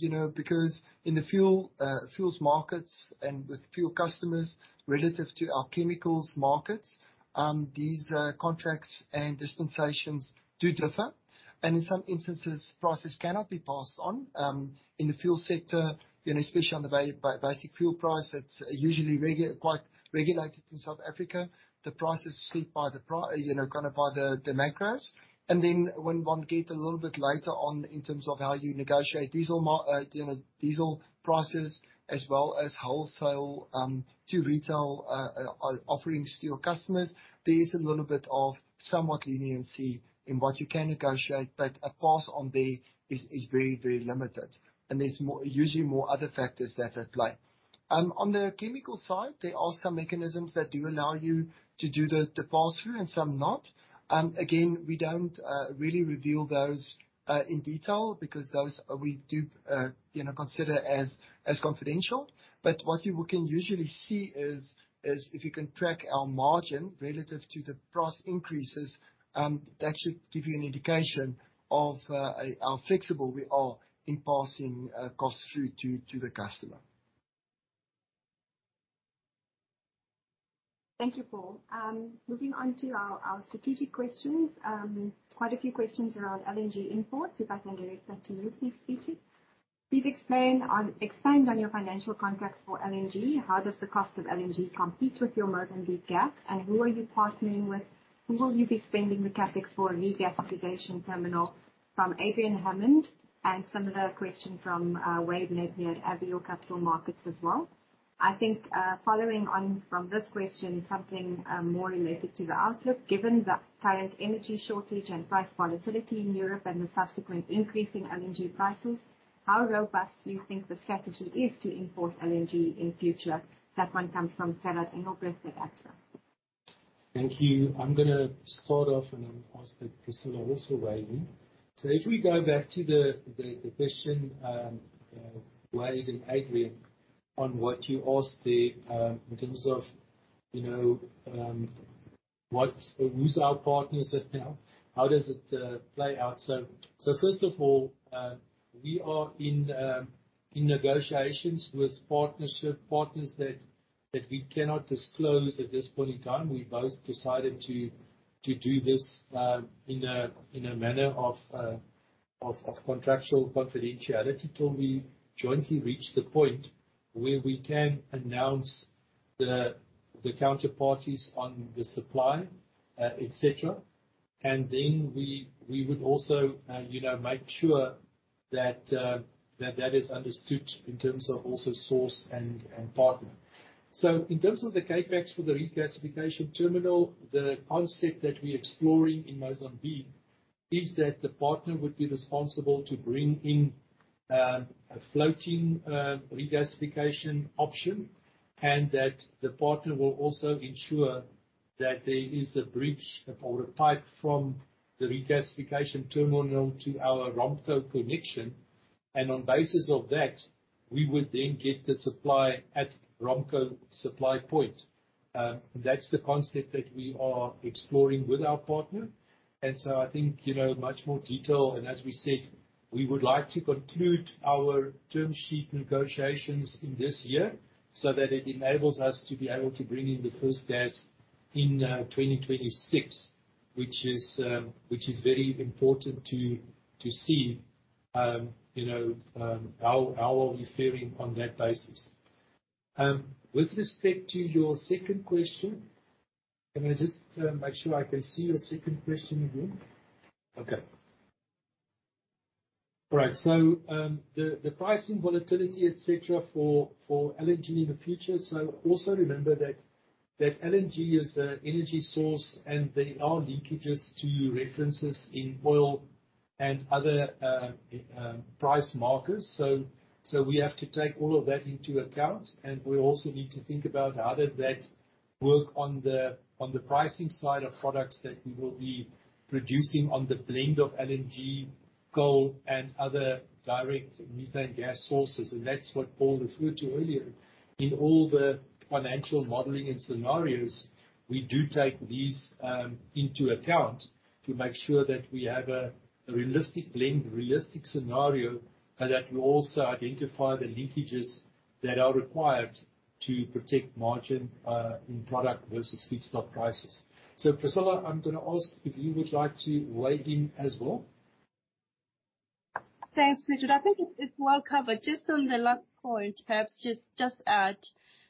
In the fuels markets and with fuel customers, relative to our chemicals markets, these contracts and dispensations do differ. In some instances, prices cannot be passed on. In the fuel sector, especially on the basic fuel price that's usually quite regulated in South Africa, the price is set by the macros. Then when one get a little bit later on in terms of how you negotiate diesel prices as well as wholesale to retail offerings to your customers, there is a little bit of somewhat leniency in what you can negotiate, but a pass on there is very limited. There's usually more other factors that apply. On the chemical side, there are some mechanisms that do allow you to do the pass-through and some not. We don't really reveal those in detail because those we do consider as confidential. What you can usually see is if you can track our margin relative to the price increases, that should give you an indication of how flexible we are in passing costs through to the customer. Thank you, Paul. Moving on to our strategic questions. Quite a few questions around LNG imports, if I can direct that to you please, Peter. Please expand on your financial contracts for LNG. How does the cost of LNG compete with your Mozambique gas, and who are you partnering with? Who will you be spending the CapEx for a regasification terminal? From Adrian Hammond, and similar question from Wade Naude at Avior Capital Markets as well. I think following on from this question, something more related to the outlook. Given the current energy shortage and price volatility in Europe and the subsequent increase in LNG prices, how robust do you think the strategy is to import LNG in future? That one comes from Sarath Engelbrecht at Absa. Thank you. I'm going to start off, and then ask that Priscilla also weigh in. If we go back to the question, Wade and Adrian, on what you asked there in terms of who's our partners and how does it play out. First of all, we are in negotiations with partners that we cannot disclose at this point in time. We both decided to do this in a manner of contractual confidentiality till we jointly reach the point where we can announce the counterparties on the supply, et cetera. Then we would also make sure that is understood in terms of also source and partner. In terms of the CapEx for the regasification terminal, the concept that we exploring in Mozambique is that the partner would be responsible to bring in a floating regasification option, and that the partner will also ensure that there is a bridge or a pipe from the regasification terminal to our ROMPCO connection. On basis of that, we would then get the supply at ROMPCO supply point. That's the concept that we are exploring with our partner. I think much more detail, and as we said, we would like to conclude our term sheet negotiations in this year so that it enables us to be able to bring in the first gas in 2026, which is very important to see how are we fairing on that basis. With respect to your second question, I'm going to just make sure I can see your second question again. The pricing volatility et cetera for LNG in the future. Also remember that LNG is an energy source, and there are leakages to references in oil and other price markers. We have to take all of that into account, and we also need to think about how does that work on the pricing side of products that we will be producing on the blend of LNG, coal, and other direct methane gas sources, and that's what Paul referred to earlier. In all the financial modeling and scenarios, we do take these into account to make sure that we have a realistic blend, realistic scenario, and that we also identify the linkages that are required to protect margin in product versus feedstock prices. Priscilla, I'm going to ask if you would like to weigh in as well. Thanks, Peter. I think it's well covered. Just on the last point, perhaps just add,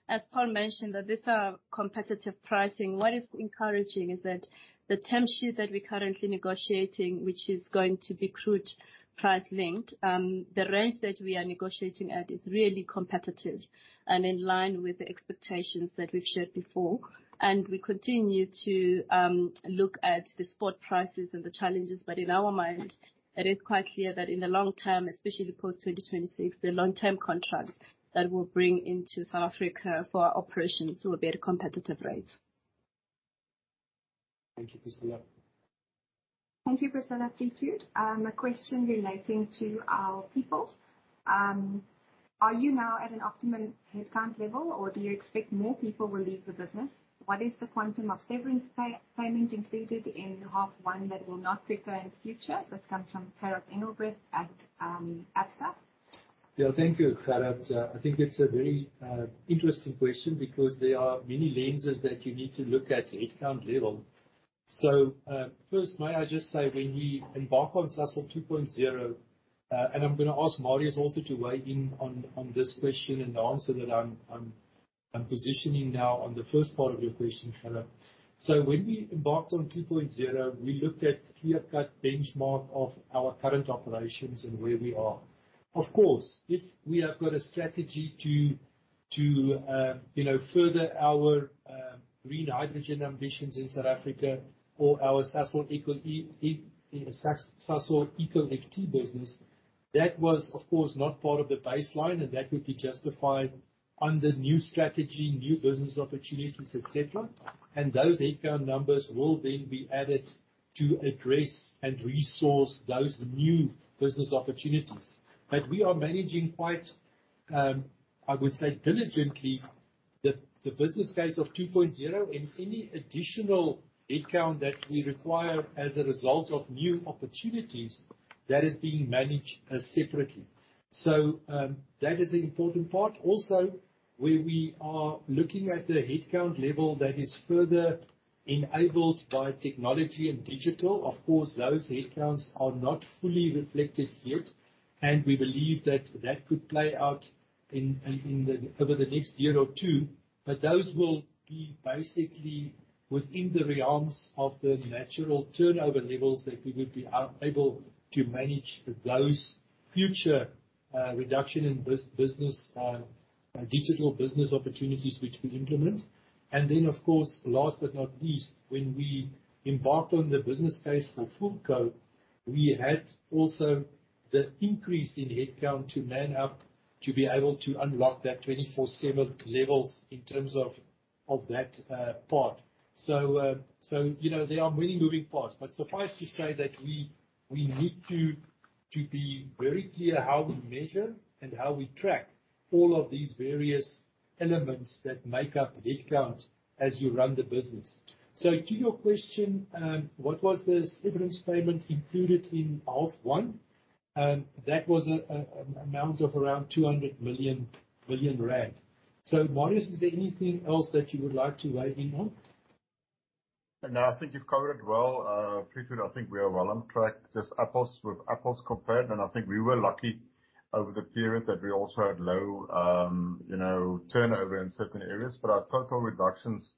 as Paul mentioned, that these are competitive pricing. What is encouraging is that the term sheet that we're currently negotiating, which is going to be crude price linked, the range that we are negotiating at is really competitive and in line with the expectations that we've shared before. We continue to look at the spot prices and the challenges. In our mind, it is quite clear that in the long term, especially post 2026, the long-term contracts that will bring into South Africa for our operations will be at a competitive rate. Thank you, Priscilla. Thank you, Priscilla. Peter, a question relating to our people. Are you now at an optimum headcount level, or do you expect more people will leave the business? What is the quantum of severance payment included in half one that will not recur in future? This comes from Gerhard Engelbrecht at Absa. Thank you, Sarath. I think it's a very interesting question because there are many lenses that you need to look at headcount level. First may I just say, when we embark on Sasol 2.0, and I'm going to ask Marius also to weigh in on this question and the answer that I'm positioning now on the first part of your question, Sarath. When we embarked on 2.0, we looked at clear-cut benchmark of our current operations and where we are. Of course, if we have got a strategy to further our green hydrogen ambitions in South Africa or our Sasol ecoFT business, that was of course not part of the baseline, and that would be justified under new strategy, new business opportunities, et cetera. Those headcount numbers will then be added to address and resource those new business opportunities. We are managing quite, I would say, diligently, the business case of 2.0 and any additional headcount that we require as a result of new opportunities, that is being managed separately. That is the important part. Also, where we are looking at the headcount level that is further Enabled by technology and digital. Of course, those headcounts are not fully reflected yet, and we believe that that could play out over the next year or two. Those will be basically within the realms of the natural turnover levels that we would be able to manage those future reduction in digital business opportunities which we implement. Then, of course, last but not least, when we embarked on the business case for Fulco, we had also the increase in headcount to man up to be able to unlock that 24/7 levels in terms of that part. There are many moving parts, suffice to say that we need to be very clear how we measure and how we track all of these various elements that make up headcount as you run the business. To your question, what was the severance payment included in half one? That was an amount of around 200 million. Marius, is there anything else that you would like to weigh in on? I think you've covered it well, Pietje. I think we are well on track, just apples with apples compared. I think we were lucky over the period that we also had low turnover in certain areas. Our total reductions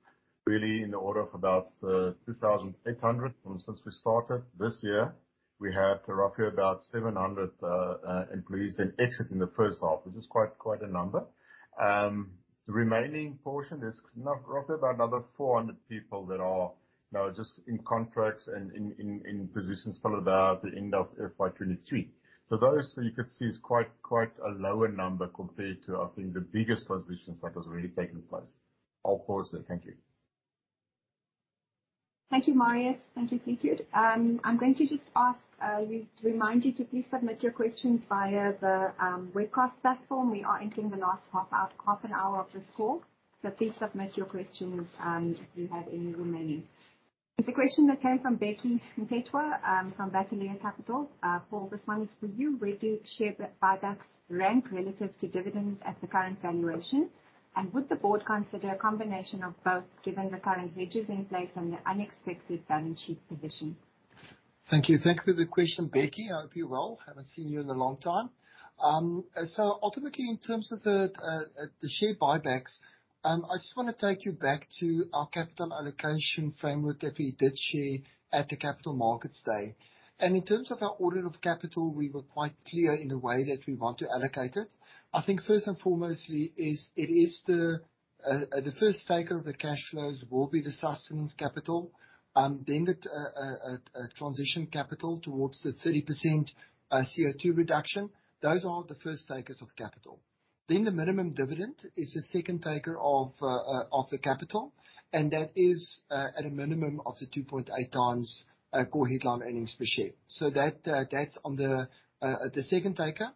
really in the order of about 2,800. Since we started this year, we had roughly about 700 employees then exit in the first half, which is quite a number. The remaining portion is roughly about another 400 people that are now just in contracts and in positions till about the end of FY 2023. Those, you could see, is quite a lower number compared to, I think, the biggest positions that was really taking place. I'll pause there. Thank you. Thank you, Marius. Thank you, Pietje. I'm going to just remind you to please submit your questions via the webcast platform. We are entering the last half an hour of this call, so please submit your questions if you have any remaining. There's a question that came from Becky Ntethwa from Bathalia Capital. Paul, this one is for you. Where do share buybacks rank relative to dividends at the current valuation? Would the board consider a combination of both, given the current hedges in place and the unexpected balance sheet position? Thank you. Thank you for the question, Becky. I hope you're well. Haven't seen you in a long time. Ultimately, in terms of the share buybacks, I just want to take you back to our capital allocation framework that we did share at the Capital Markets Day. In terms of our order of capital, we were quite clear in the way that we want to allocate it. I think first and foremostly, the first taker of the cash flows will be the sustenance capital, then the transition capital towards the 30% CO2 reduction. Those are the first takers of capital. The minimum dividend is the second taker of the capital, and that is at a minimum of the 2.8 times core headline earnings per share. That's on the second taker.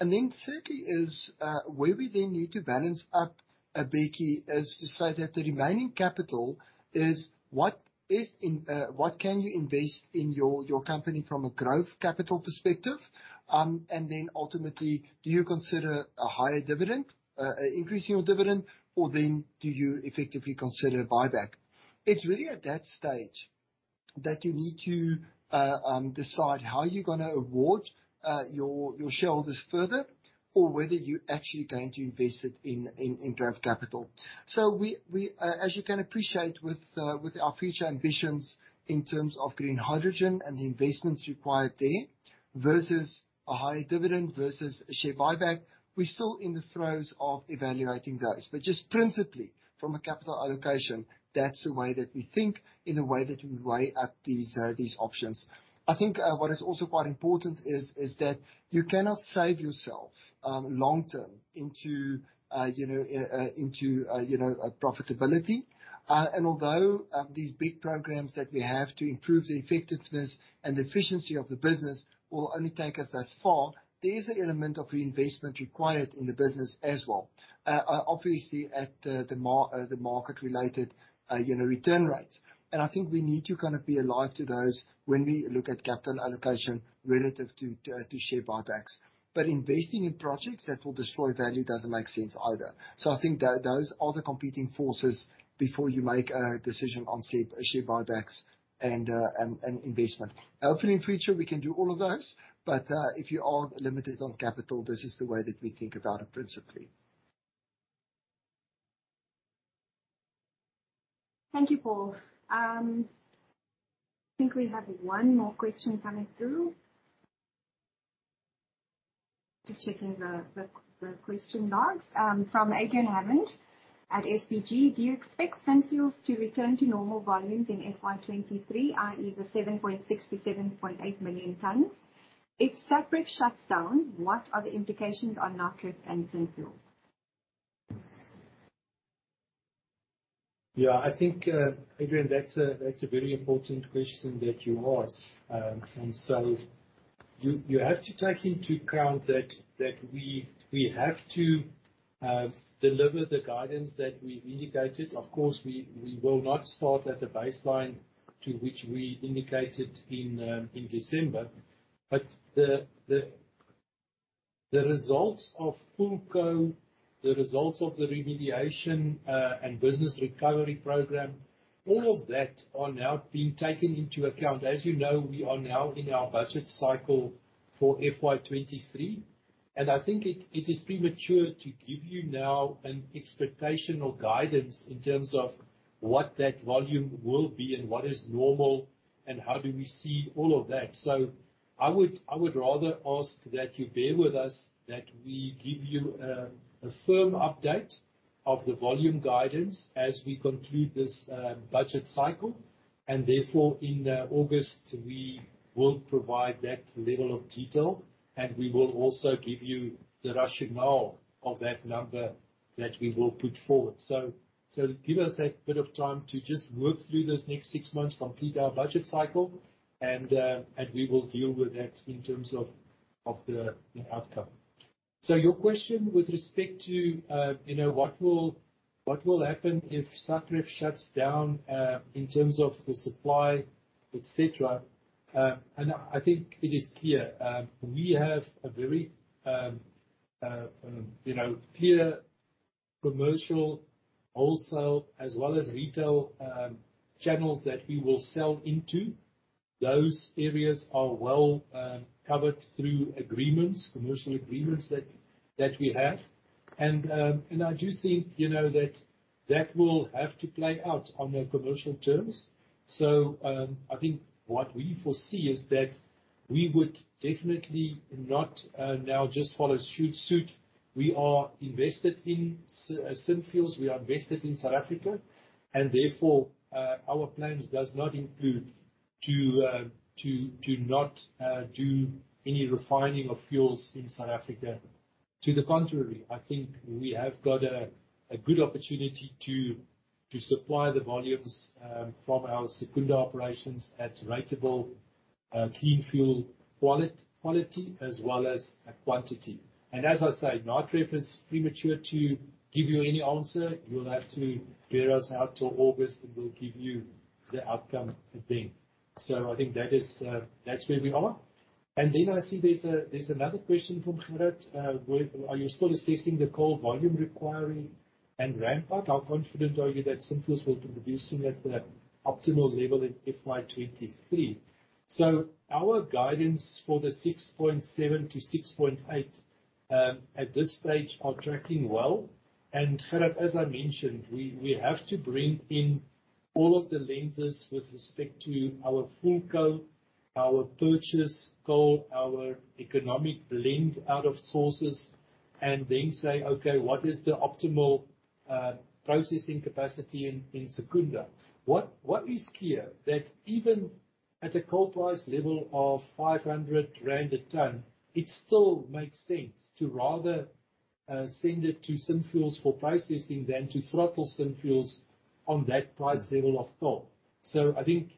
Thirdly is, where we then need to balance up, Becky, is to say that the remaining capital is what can you invest in your company from a growth capital perspective? Ultimately, do you consider a higher dividend, increasing your dividend, or then do you effectively consider a buyback? It's really at that stage that you need to decide how you're going to award your shareholders further, or whether you're actually going to invest it in growth capital. As you can appreciate with our future ambitions in terms of green hydrogen and the investments required there, versus a higher dividend, versus a share buyback, we're still in the throes of evaluating those. Just principally from a capital allocation, that's the way that we think in the way that we weigh up these options. I think what is also quite important is that you cannot save yourself long term into profitability. Although these big programs that we have to improve the effectiveness and efficiency of the business will only take us thus far, there's an element of reinvestment required in the business as well, obviously at the market-related return rates. I think we need to kind of be alive to those when we look at capital allocation relative to share buybacks. Investing in projects that will destroy value doesn't make sense either. I think those are the competing forces before you make a decision on share buybacks and investment. Hopefully, in future, we can do all of those. If you are limited on capital, this is the way that we think about it, principally. Thank you, Paul. I think we have one more question coming through. Just checking the question logs. From Adrian Hammond at SBG. Do you expect Synfuels to return to normal volumes in FY 2023, i.e. the 7.6 million-7.8 million tons? If Sasol shuts down, what are the implications on Natref and Synfuels? I think, Adrian, that's a very important question that you ask. You have to take into account that we have to deliver the guidance that we've indicated. Of course, we will not start at the baseline to which we indicated in December. The results of Fulco, the results of the remediation, and business recovery program, all of that are now being taken into account. As you know, we are now in our budget cycle for FY 2023, I think it is premature to give you now an expectational guidance in terms of what that volume will be and what is normal, and how do we see all of that. I would rather ask that you bear with us, that we give you a firm update of the volume guidance as we conclude this budget cycle. Therefore, in August, we will provide that level of detail, and we will also give you the rationale of that number that we will put forward. Give us that bit of time to just work through those next six months, complete our budget cycle, and we will deal with that in terms of the outcome. Your question with respect to what will happen if Natref shuts down in terms of the supply, et cetera. I think it is clear. We have a very clear commercial wholesale as well as retail channels that we will sell into. Those areas are well covered through commercial agreements that we have. I do think that will have to play out on their commercial terms. I think what we foresee is that we would definitely not now just follow suit. We are invested in Synfuels, we are invested in South Africa, therefore, our plans does not include to not do any refining of fuels in South Africa. To the contrary, I think we have got a good opportunity to supply the volumes from our Secunda operations at ratable clean fuel quality, as well as quantity. As I say, Natref is premature to give you any answer. You'll have to bear us out till August, we'll give you the outcome then. I think that's where we are. Then I see there's another question from Gerard. Are you still assessing the coal volume requiring and ramp-up? How confident are you that Synfuels will be producing at the optimal level in FY 2023? Our guidance for the 6.7-6.8, at this stage, are tracking well. Gerard, as I mentioned, we have to bring in all of the lenses with respect to our Fulco, our purchase coal, our economic blend out of sources, then say, "Okay, what is the optimal processing capacity in Secunda?" What is clear, that even at a coal price level of 500 rand a ton, it still makes sense to rather send it to Synfuels for processing than to throttle Synfuels on that price level of coal. I think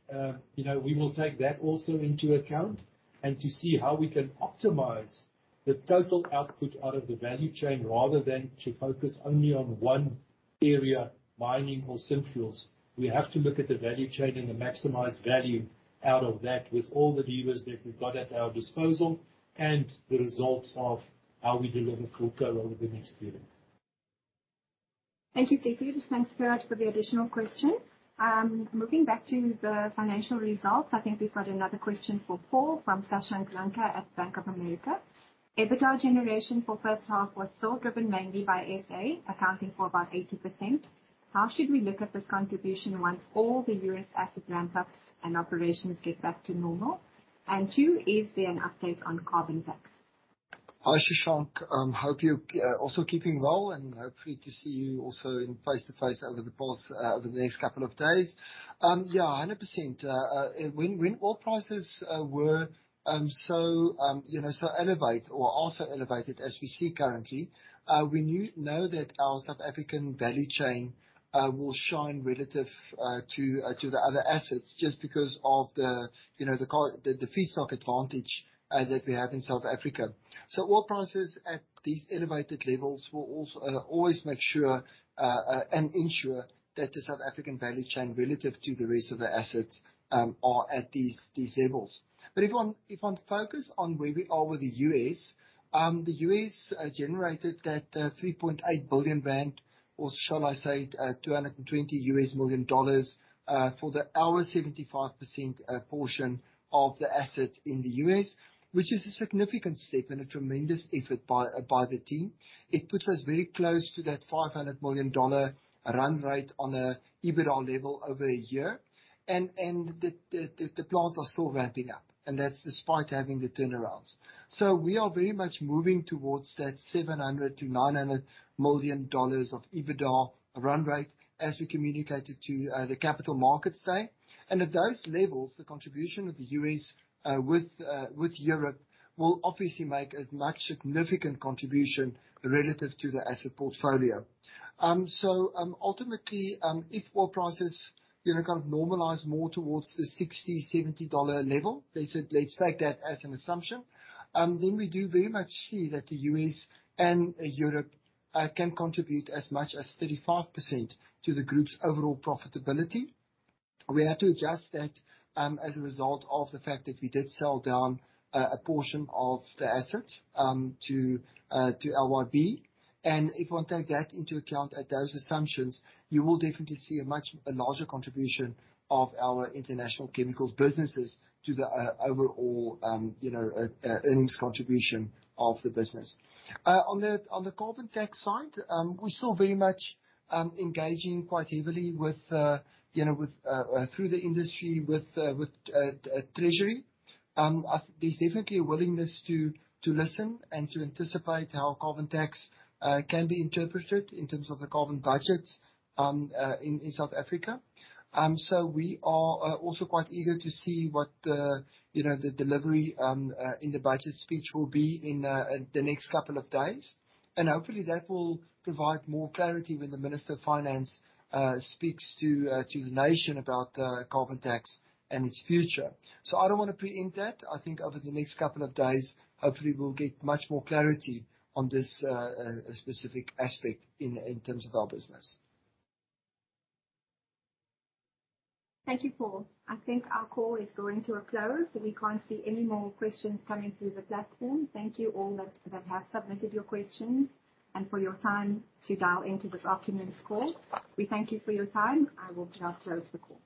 we will take that also into account to see how we can optimize the total output out of the value chain rather than to focus only on one area, mining or Synfuels. We have to look at the value chain and the maximized value out of that with all the levers that we've got at our disposal and the results of how we deliver Fulco over the next period. Thank you, Peter. Thanks, Gerard, for the additional question. Moving back to the financial results, I think we've got another question for Paul from Shashank Lanka at Bank of America. EBITDA generation for first half was still driven mainly by SA, accounting for about 80%. How should we look at this contribution once all the U.S. asset ramp-ups and operations get back to normal? Two, is there an update on carbon tax? Hi, Shashank. Hope you're also keeping well, hopefully to see you also in face-to-face over the next couple of days. Yeah, 100%. When oil prices were so elevated or are so elevated as we see currently, we know that our South African value chain will shine relative to the other assets just because of the feedstock advantage that we have in South Africa. Oil prices at these elevated levels will always make sure ensure that the South African value chain, relative to the rest of the assets, are at these levels. If I focus on where we are with the U.S., the U.S. generated that 3.8 billion rand, or shall I say $220 million for our 75% portion of the asset in the U.S., which is a significant step a tremendous effort by the team. It puts us very close to that ZAR 500 million run rate on an EBITDA level over a year. The plans are still ramping up, and that's despite having the turnarounds. We are very much moving towards that ZAR 700 million-ZAR 900 million of EBITDA run rate as we communicated to the Capital Markets Day. At those levels, the contribution of the U.S. with Europe will obviously make a much significant contribution relative to the asset portfolio. Ultimately, if oil prices kind of normalize more towards the $60-$70 level, let's take that as an assumption, then we do very much see that the U.S. and Europe can contribute as much as 35% to the group's overall profitability. We have to adjust that, as a result of the fact that we did sell down a portion of the asset to LYB. If we take that into account at those assumptions, you will definitely see a larger contribution of our international chemicals businesses to the overall earnings contribution of the business. On the carbon tax side, we're still very much engaging quite heavily through the industry with Treasury. There's definitely a willingness to listen and to anticipate how carbon tax can be interpreted in terms of the carbon budget in South Africa. We are also quite eager to see what the delivery in the budget speech will be in the next couple of days. Hopefully, that will provide more clarity when the Minister of Finance speaks to the nation about carbon tax and its future. I don't want to pre-empt that. I think over the next couple of days, hopefully, we'll get much more clarity on this specific aspect in terms of our business. Thank you, Paul. I think our call is going to a close. We can't see any more questions coming through the platform. Thank you all that have submitted your questions and for your time to dial into this afternoon's call. We thank you for your time. I will now close the call.